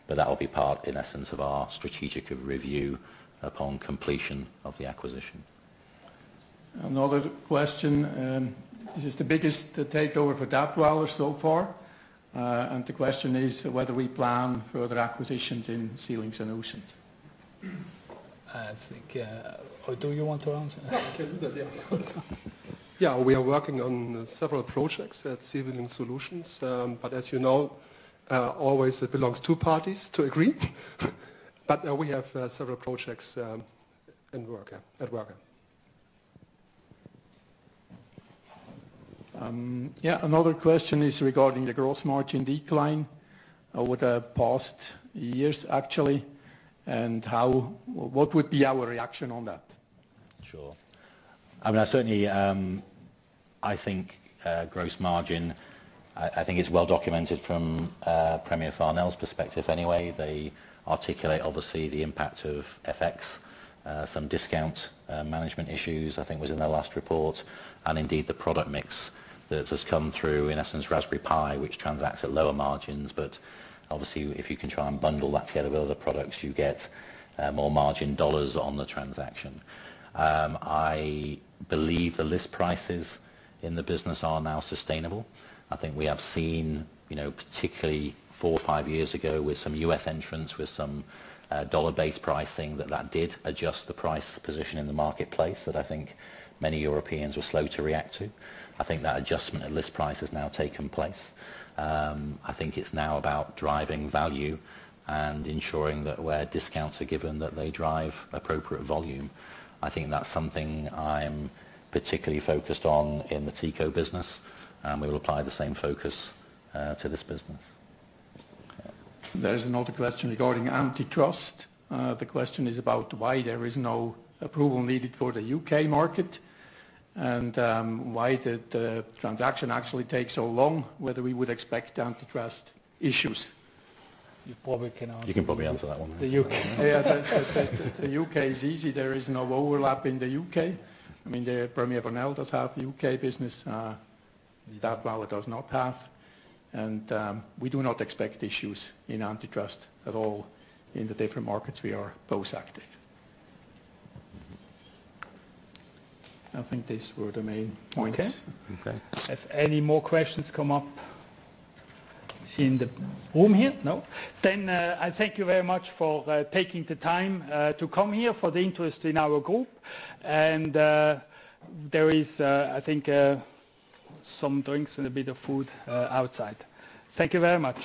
S3: That will be part, in essence, of our strategic review upon completion of the acquisition.
S1: Another question. This is the biggest takeover for Dätwyler so far. The question is whether we plan further acquisitions in Sealings Solutions.
S3: I think. Do you want to answer?
S1: Yeah, you can do that. Yeah.
S12: Yeah. We are working on several projects at Sealing Solutions. As you know, always it belongs two parties to agree. We have several projects at work.
S1: Yeah. Another question is regarding the gross margin decline over the past years, actually. What would be our reaction on that?
S3: Sure. Certainly, I think gross margin, I think is well documented from Premier Farnell's perspective anyway. They articulate, obviously, the impact of FX, some discount management issues, I think was in their last report. Indeed, the product mix that has come through, in essence, Raspberry Pi, which transacts at lower margins. Obviously, if you can try and bundle that together with other products, you get more margin dollars on the transaction. I believe the list prices in the business are now sustainable. I think we have seen, particularly four or five years ago with some U.S. entrants, with some dollar-based pricing, that that did adjust the price position in the marketplace that I think many Europeans were slow to react to. I think that adjustment at list price has now taken place. I think it's now about driving value and ensuring that where discounts are given, that they drive appropriate volume. I think that's something I'm particularly focused on in the Teco business, and we will apply the same focus to this business.
S1: There's another question regarding antitrust. The question is about why there is no approval needed for the U.K. market, and why did the transaction actually take so long, whether we would expect antitrust issues.
S3: You probably can answer.
S12: You can probably answer that one.
S1: The U.K. Yeah. The U.K. is easy. There is no overlap in the U.K. Premier Farnell does have U.K. business, Dätwyler does not have. We do not expect issues in antitrust at all in the different markets we are both active. I think these were the main points.
S3: Okay.
S1: If any more questions come up in the room here. No? I thank you very much for taking the time to come here, for the interest in our group. There is, I think some drinks and a bit of food outside. Thank you very much